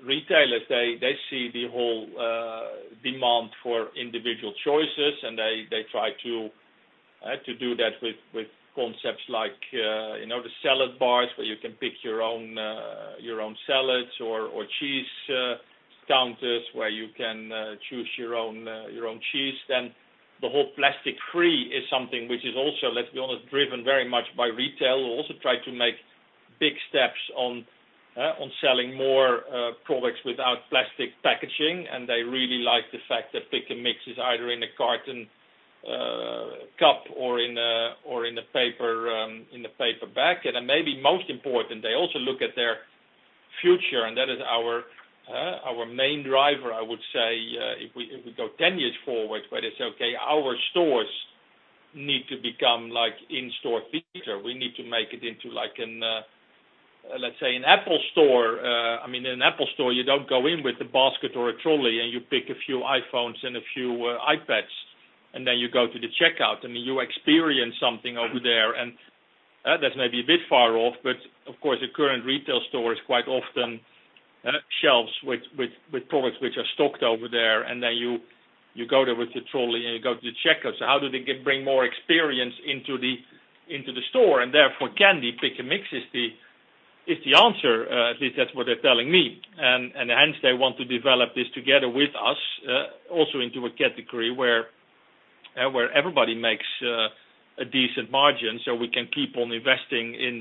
retailers, they see the whole demand for individual choices, and they try to do that with concepts like the salad bars where you can pick your own salads or cheese counters where you can choose your own cheese. Then the whole plastic-free is something which is also, let's be honest, driven very much by retail. We also try to make big steps on selling more products without plastic packaging, and they really like the fact that pick-and-mix is either in a carton cup or in a paper bag. And then maybe most important, they also look at their future, and that is our main driver, I would say, if we go 10 years forward, where they say, "Okay, our stores need to become like in-store theater. We need to make it into like, let's say, an Apple store. I mean, in an Apple store, you don't go in with a basket or a trolley, and you pick a few iPhones and a few iPads, and then you go to the checkout. I mean, you experience something over there, and that's maybe a bit far off, but of course, a current retail store is quite often shelves with products which are stocked over there, and then you go there with the trolley, and you go to the checkout. So how do they bring more experience into the store? And therefore, candy, pick-and-mix is the answer. At least that's what they're telling me. And hence, they want to develop this together with us also into a category where everybody makes a decent margin so we can keep on investing in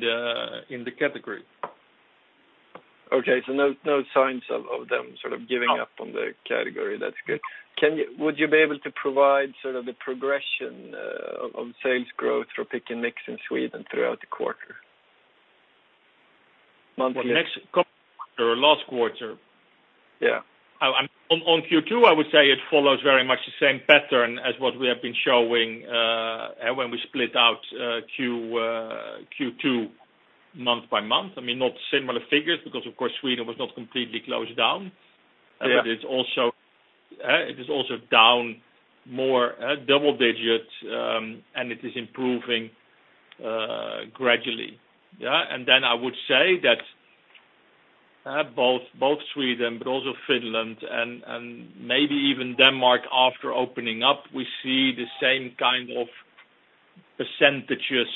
the category. Okay. No signs of them sort of giving up on the category. That's good. Would you be able to provide sort of the progression of sales growth for pick-and-mix in Sweden throughout the quarter? Monthly. Well, next quarter or last quarter. Yeah. On Q2, I would say it follows very much the same pattern as what we have been showing when we split out Q2 month by month. I mean, not similar figures because, of course, Sweden was not completely closed down, but it is also down more double-digit, and it is improving gradually. Yeah, and then I would say that both Sweden, but also Finland, and maybe even Denmark after opening up, we see the same kind of percentages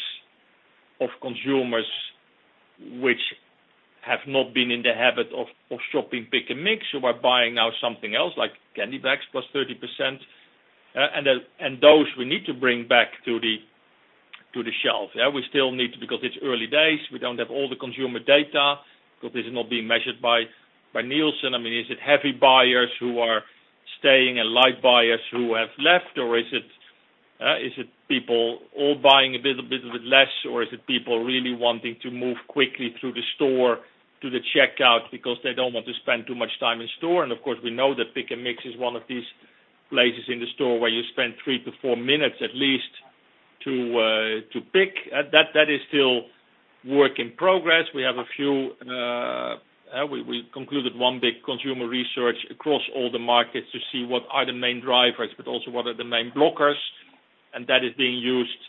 of consumers which have not been in the habit of shopping pick-and-mix or are buying now something else like candy bags plus 30%. And those we need to bring back to the shelf. Yeah. We still need to because it's early days. We don't have all the consumer data because this is not being measured by Nielsen. I mean, is it heavy buyers who are staying and light buyers who have left, or is it people all buying a little bit less, or is it people really wanting to move quickly through the store to the checkout because they don't want to spend too much time in store? And of course, we know that pick-and-mix is one of these places in the store where you spend three to four minutes at least to pick. That is still work in progress. We have a few we concluded one big consumer research across all the markets to see what are the main drivers, but also what are the main blockers. And that is being used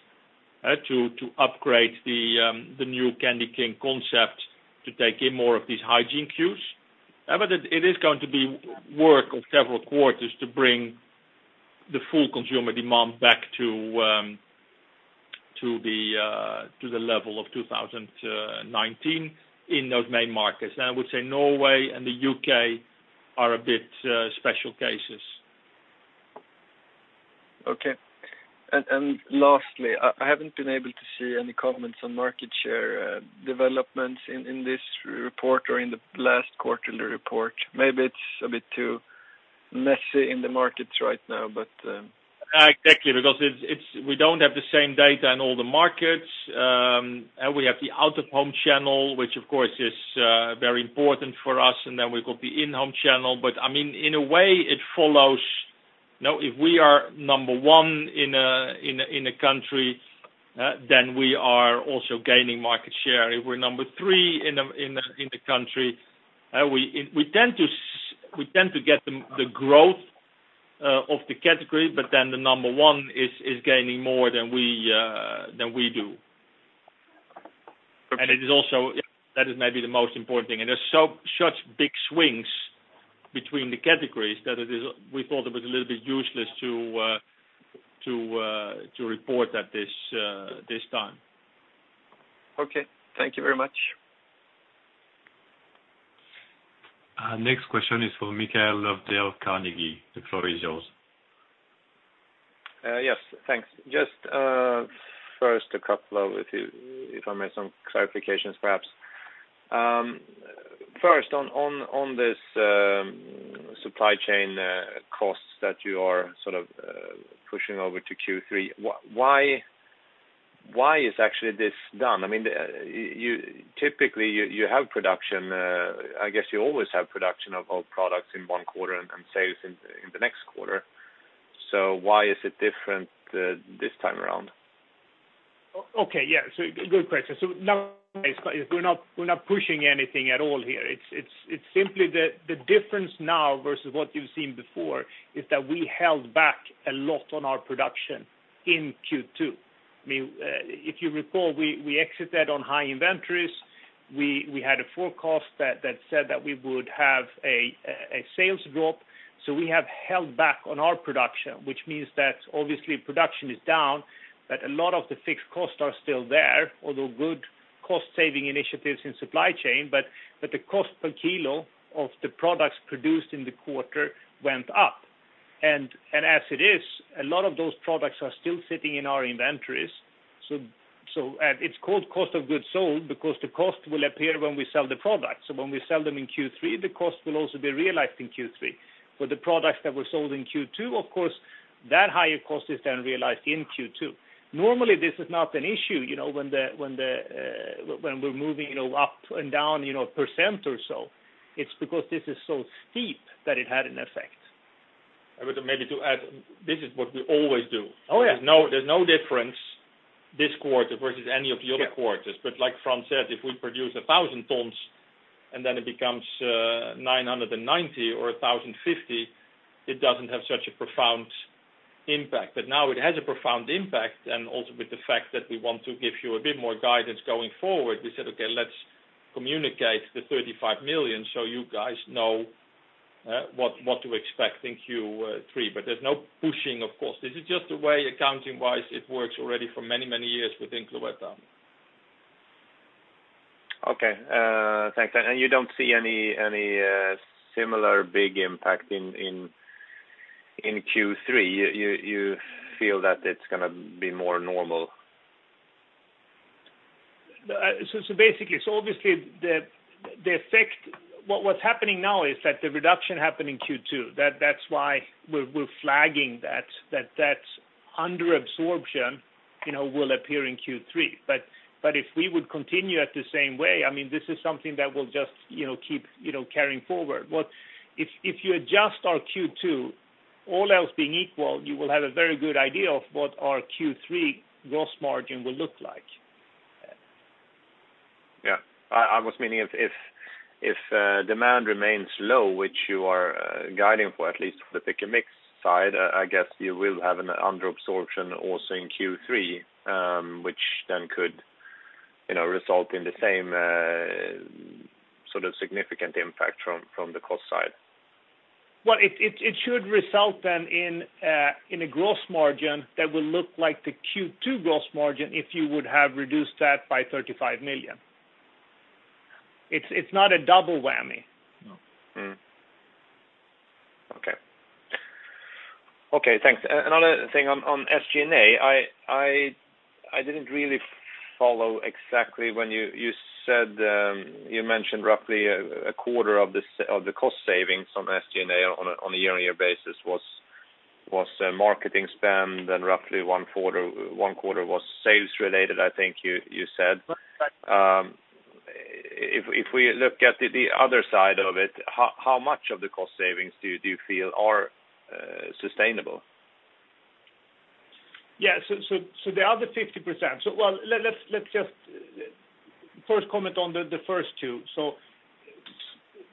to upgrade the new Candy King concept to take in more of these hygiene cues. But it is going to be work of several quarters to bring the full consumer demand back to the level of 2019 in those main markets. And I would say Norway and the U.K. are a bit special cases. Okay. And lastly, I haven't been able to see any comments on market share developments in this report or in the last quarterly report. Maybe it's a bit too messy in the markets right now, but. Exactly. Because we don't have the same data in all the markets. We have the out-of-home channel, which of course is very important for us, and then we've got the in-home channel. But I mean, in a way, it follows if we are number one in a country, then we are also gaining market share. If we're number three in the country, we tend to get the growth of the category, but then the number one is gaining more than we do. And it is also that is maybe the most important thing. And there's such big swings between the categories that we thought it was a little bit useless to report at this time. Okay. Thank you very much. Next question is for Mikael of Carnegie. The floor is yours. Yes. Thanks. Just first, a couple of, if I may, some clarifications perhaps. First, on this supply chain costs that you are sort of pushing over to Q3, why is actually this done? I mean, typically, you have production I guess you always have production of products in one quarter and sales in the next quarter. So why is it different this time around? Okay. Yeah. So good question. So no, we're not pushing anything at all here. It's simply the difference now versus what you've seen before is that we held back a lot on our production in Q2. I mean, if you recall, we exited on high inventories. We had a forecast that said that we would have a sales drop. So we have held back on our production, which means that obviously production is down, but a lot of the fixed costs are still there, although good cost-saving initiatives in supply chain. But the cost per kilo of the products produced in the quarter went up. And as it is, a lot of those products are still sitting in our inventories. So it's called cost of goods sold because the cost will appear when we sell the products. So when we sell them in Q3, the cost will also be realized in Q3. For the products that were sold in Q2, of course, that higher cost is then realized in Q2. Normally, this is not an issue when we're moving up and down 1% or so. It's because this is so steep that it had an effect. Maybe to add, this is what we always do. There's no difference this quarter versus any of the other quarters. But like Frans said, if we produce 1,000 tons and then it becomes 990 or 1,050, it doesn't have such a profound impact. But now it has a profound impact. And also with the fact that we want to give you a bit more guidance going forward, we said, "Okay, let's communicate the 35 million so you guys know what to expect in Q3." But there's no pushing, of course. This is just the way accounting-wise it works already for many, many years within Cloetta. Okay. Thanks. And you don't see any similar big impact in Q3? You feel that it's going to be more normal? So basically, so obviously, the effect what's happening now is that the reduction happened in Q2. That's why we're flagging that underabsorption will appear in Q3. But if we would continue at the same way, I mean, this is something that will just keep carrying forward. If you adjust our Q2, all else being equal, you will have a very good idea of what our Q3 gross margin will look like. Yeah. I was meaning if demand remains low, which you are guiding for at least the pick-and-mix side, I guess you will have an underabsorption also in Q3, which then could result in the same sort of significant impact from the cost side. It should result then in a gross margin that will look like the Q2 gross margin if you would have reduced that by 35 million. It's not a double whammy. Okay. Okay. Thanks. Another thing on SG&A, I didn't really follow exactly when you said you mentioned roughly a quarter of the cost savings on SG&A on a year-on-year basis was marketing spend, and roughly one quarter was sales-related, I think you said. If we look at the other side of it, how much of the cost savings do you feel are sustainable? Yeah. So the other 50% so well, let's just first comment on the first two. So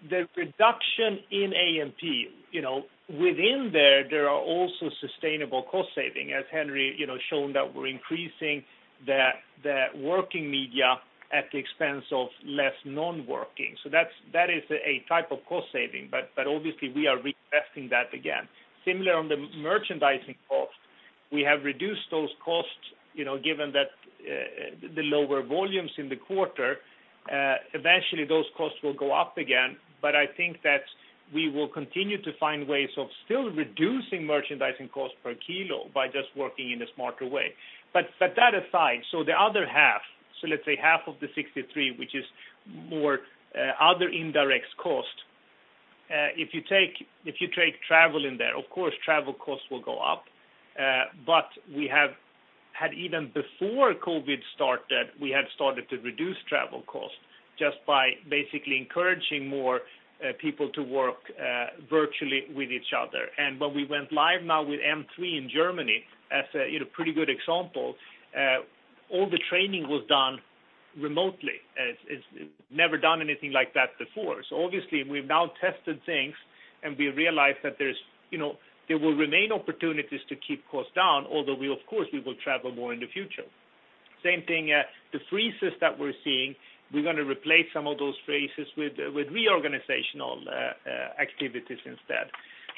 the reduction in A&P, within there, there are also sustainable cost savings, as Henri showed that we're increasing the working media at the expense of less non-working. So that is a type of cost saving, but obviously, we are reinvesting that again. Similar on the merchandising cost, we have reduced those costs given the lower volumes in the quarter. Eventually those costs will go up again. But I think that we will continue to find ways of still reducing merchandising costs per kilo by just working in a smarter way. But that aside, so the other half, so let's say half of the 63, which is more other indirect cost. If you take travel in there, of course, travel costs will go up. But we had even before COVID-19 started, we had started to reduce travel costs just by basically encouraging more people to work virtually with each other. And when we went live now with M3 in Germany as a pretty good example, all the training was done remotely. It's never done anything like that before. So obviously, we've now tested things, and we realized that there will remain opportunities to keep costs down, although of course, we will travel more in the future. Same thing, the freezes that we're seeing, we're going to replace some of those freezes with reorganizational activities instead.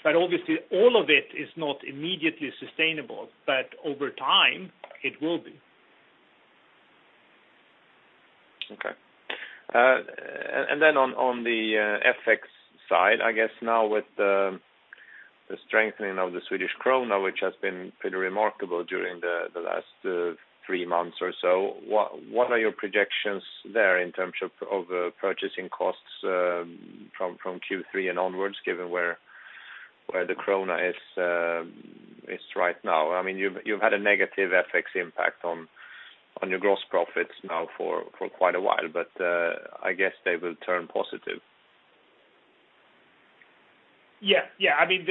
But obviously, all of it is not immediately sustainable, but over time, it will be. Okay. And then on the FX side, I guess now with the strengthening of the Swedish krona, which has been pretty remarkable during the last three months or so, what are your projections there in terms of purchasing costs from Q3 and onwards, given where the krona is right now? I mean, you've had a negative FX impact on your gross profits now for quite a while, but I guess they will turn positive. Yeah. Yeah. I mean,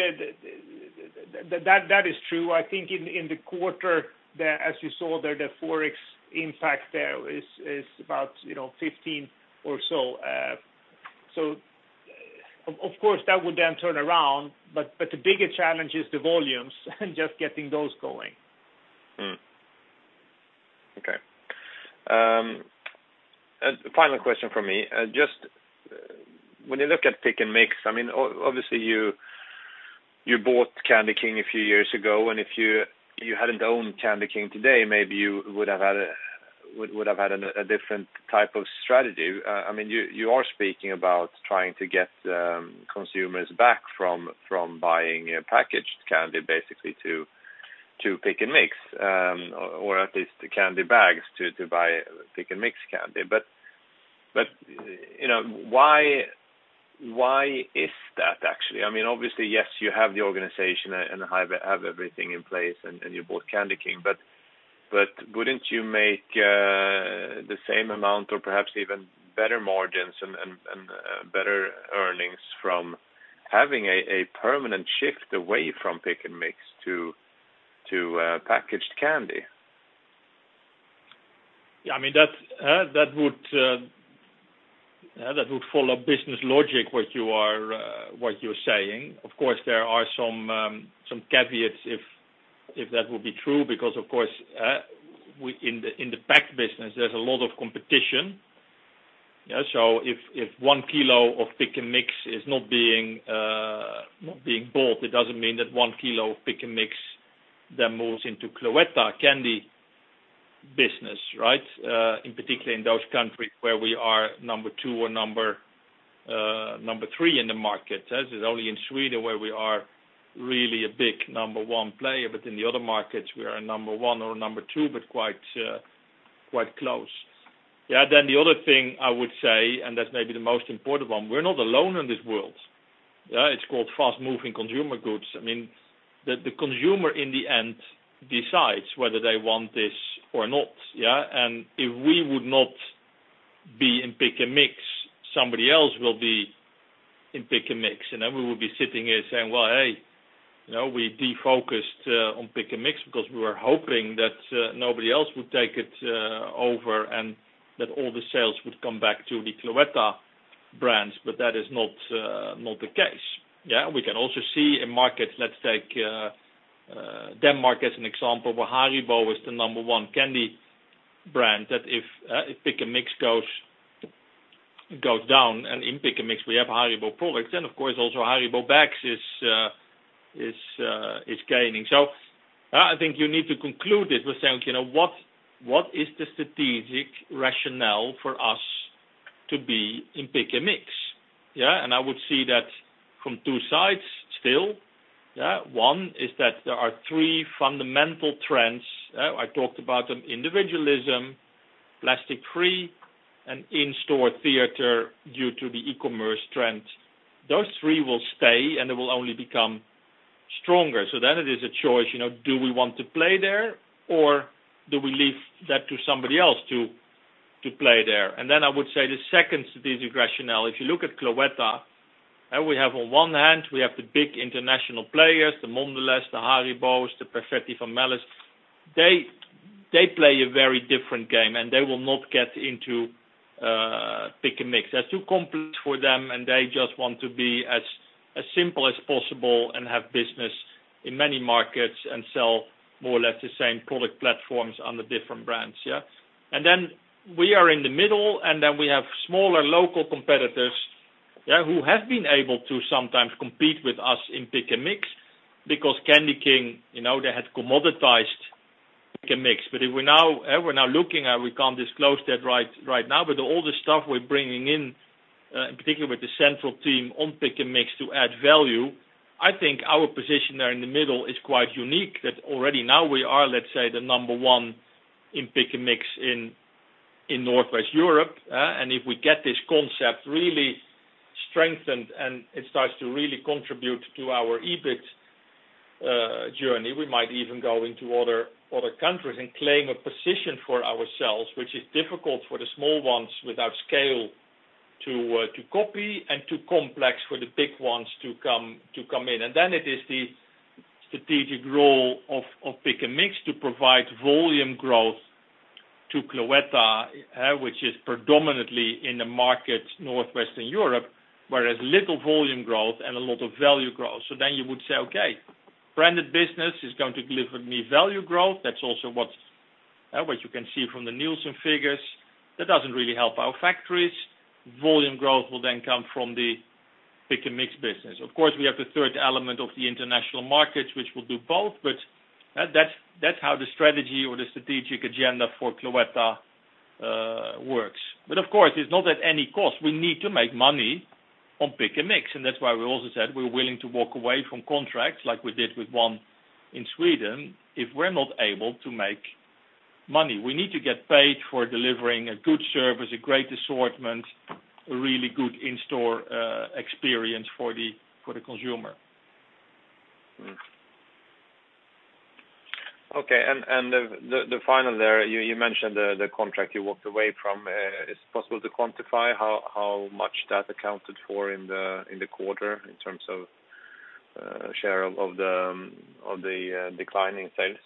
that is true. I think in the quarter, as you saw there, the forex impact there is about 15 or so. So of course, that would then turn around, but the biggest challenge is the volumes and just getting those going. Okay. Final question for me. Just when you look at pick-and-mix, I mean, obviously, you bought Candy King a few years ago, and if you hadn't owned Candy King today, maybe you would have had a different type of strategy. I mean, you are speaking about trying to get consumers back from buying packaged candy basically to pick-and-mix, or at least candy bags to buy pick-and-mix candy. But why is that actually? I mean, obviously, yes, you have the organization and have everything in place, and you bought Candy King, but wouldn't you make the same amount or perhaps even better margins and better earnings from having a permanent shift away from pick-and-mix to packaged candy? Yeah. I mean, that would follow business logic what you are saying. Of course, there are some caveats if that will be true because, of course, in the packaged business, there's a lot of competition. So if one kilo of pick-and-mix is not being bought, it doesn't mean that one kilo of pick-and-mix then moves into Cloetta candy business, right? In particular, in those countries where we are number two or number three in the market. This is only in Sweden where we are really a big number one player, but in the other markets, we are number one or number two, but quite close. Yeah. Then the other thing I would say, and that's maybe the most important one, we're not alone in this world. It's called fast-moving consumer goods. I mean, the consumer in the end decides whether they want this or not. And if we would not be in pick-and-mix, somebody else will be in pick-and-mix. And then we will be sitting here saying, "Well, hey, we defocused on pick-and-mix because we were hoping that nobody else would take it over and that all the sales would come back to the Cloetta brands." But that is not the case. Yeah. We can also see in markets. Let's take Denmark as an example, where Haribo is the number one candy brand. That if pick-and-mix goes down, and in pick-and-mix, we have Haribo products. And of course, also Haribo bags is gaining. So I think you need to conclude this by saying, "What is the strategic rationale for us to be in pick-and-mix?" Yeah. And I would see that from two sides still. One is that there are three fundamental trends. I talked about them: individualism, plastic-free, and in-store theater due to the e-commerce trend. Those three will stay, and they will only become stronger. So then it is a choice. Do we want to play there, or do we leave that to somebody else to play there? And then I would say the second strategic rationale, if you look at Cloetta, we have on one hand, we have the big international players, the Mondelez, the Haribos, the Perfetti Van Melle. They play a very different game, and they will not get into pick-and-mix. That's too complex for them, and they just want to be as simple as possible and have business in many markets and sell more or less the same product platforms under different brands. Yeah. And then we are in the middle, and then we have smaller local competitors who have been able to sometimes compete with us in pick-and-mix because Candy King, they had commoditized pick-and-mix. But if we're now looking at, we can't disclose that right now, but all the stuff we're bringing in, particularly with the central team on pick-and-mix to add value. I think our position there in the middle is quite unique that already now we are, let's say, the number one in pick-and-mix in Northwest Europe. And if we get this concept really strengthened and it starts to really contribute to our EBIT journey, we might even go into other countries and claim a position for ourselves, which is difficult for the small ones without scale to copy and too complex for the big ones to come in. And then it is the strategic role of pick-and-mix to provide volume growth to Cloetta, which is predominantly in the markets Northwestern Europe, where there's little volume growth and a lot of value growth. So then you would say, "Okay, branded business is going to deliver me value growth." That's also what you can see from the Nielsen figures. That doesn't really help our factories. Volume growth will then come from the pick-and-mix business. Of course, we have the third element of the international markets, which will do both, but that's how the strategy or the strategic agenda for Cloetta works. But of course, it's not at any cost. We need to make money on pick-and-mix, and that's why we also said we're willing to walk away from contracts like we did with one in Sweden if we're not able to make money. We need to get paid for delivering a good service, a great assortment, a really good in-store experience for the consumer. Okay. And the final there, you mentioned the contract you walked away from. Is it possible to quantify how much that accounted for in the quarter in terms of share of the declining sales?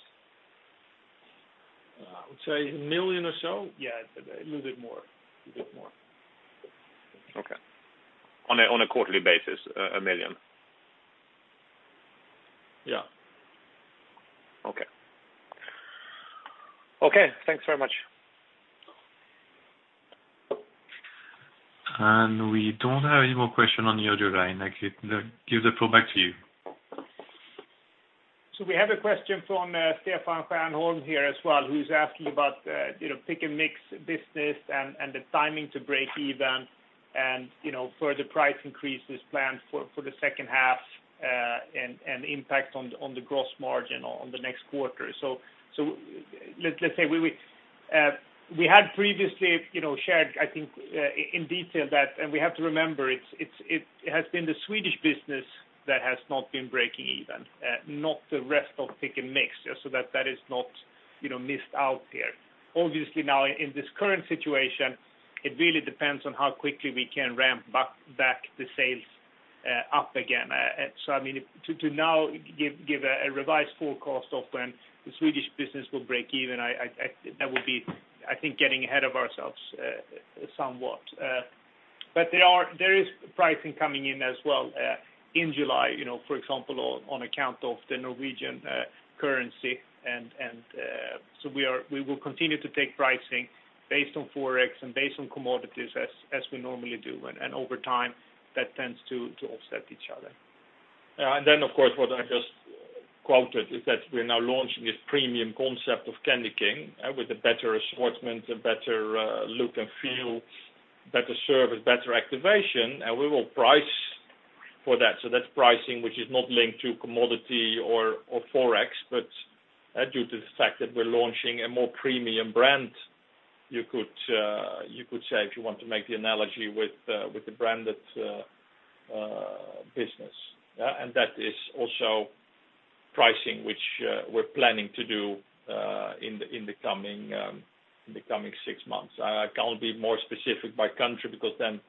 I would say a million or so. Yeah. A little bit more. A bit more. Okay. On a quarterly basis, a million? Yeah. Okay. Okay. Thanks very much. And we don't have any more questions on the other line. I give the floor back to you. We have a question from Stefan Stjernholm here as well, who's asking about pick-and-mix business and the timing to break even and further price increases planned for the second half and impact on the gross margin in the next quarter. Let's say we had previously shared, I think, in detail that, and we have to remember, it has been the Swedish business that has not been breaking even, not the rest of pick-and-mix. So that is not missed out here. Obviously, now in this current situation, it really depends on how quickly we can ramp back the sales up again. So I mean, to now give a revised forecast of when the Swedish business will break even, that would be, I think, getting ahead of ourselves somewhat. But there is pricing coming in as well in July, for example, on account of the Norwegian currency. And so we will continue to take pricing based on forex and based on commodities as we normally do. And over time, that tends to offset each other. And then, of course, what I just quoted is that we're now launching this premium concept of Candy King with a better assortment, a better look and feel, better service, better activation, and we will price for that. So that's pricing, which is not linked to commodity or forex, but due to the fact that we're launching a more premium brand, you could say, if you want to make the analogy with the branded business. And that is also pricing, which we're planning to do in the coming six months. I can't be more specific by country because then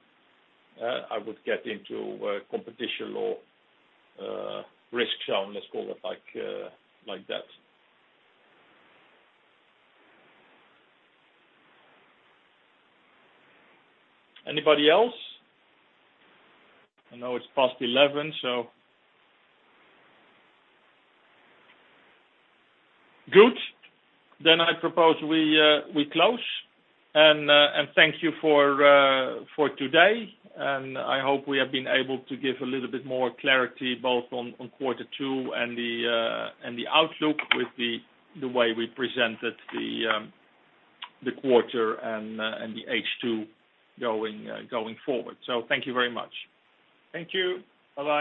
I would get into competition law risk zone, let's call it like that. Anybody else? I know it's past 11:00 A.M., so. Good. Then I propose we close. And thank you for today. And I hope we have been able to give a little bit more clarity both on quarter two and the outlook with the way we presented the quarter and the H2 going forward. So thank you very much. Thank you. Bye-bye.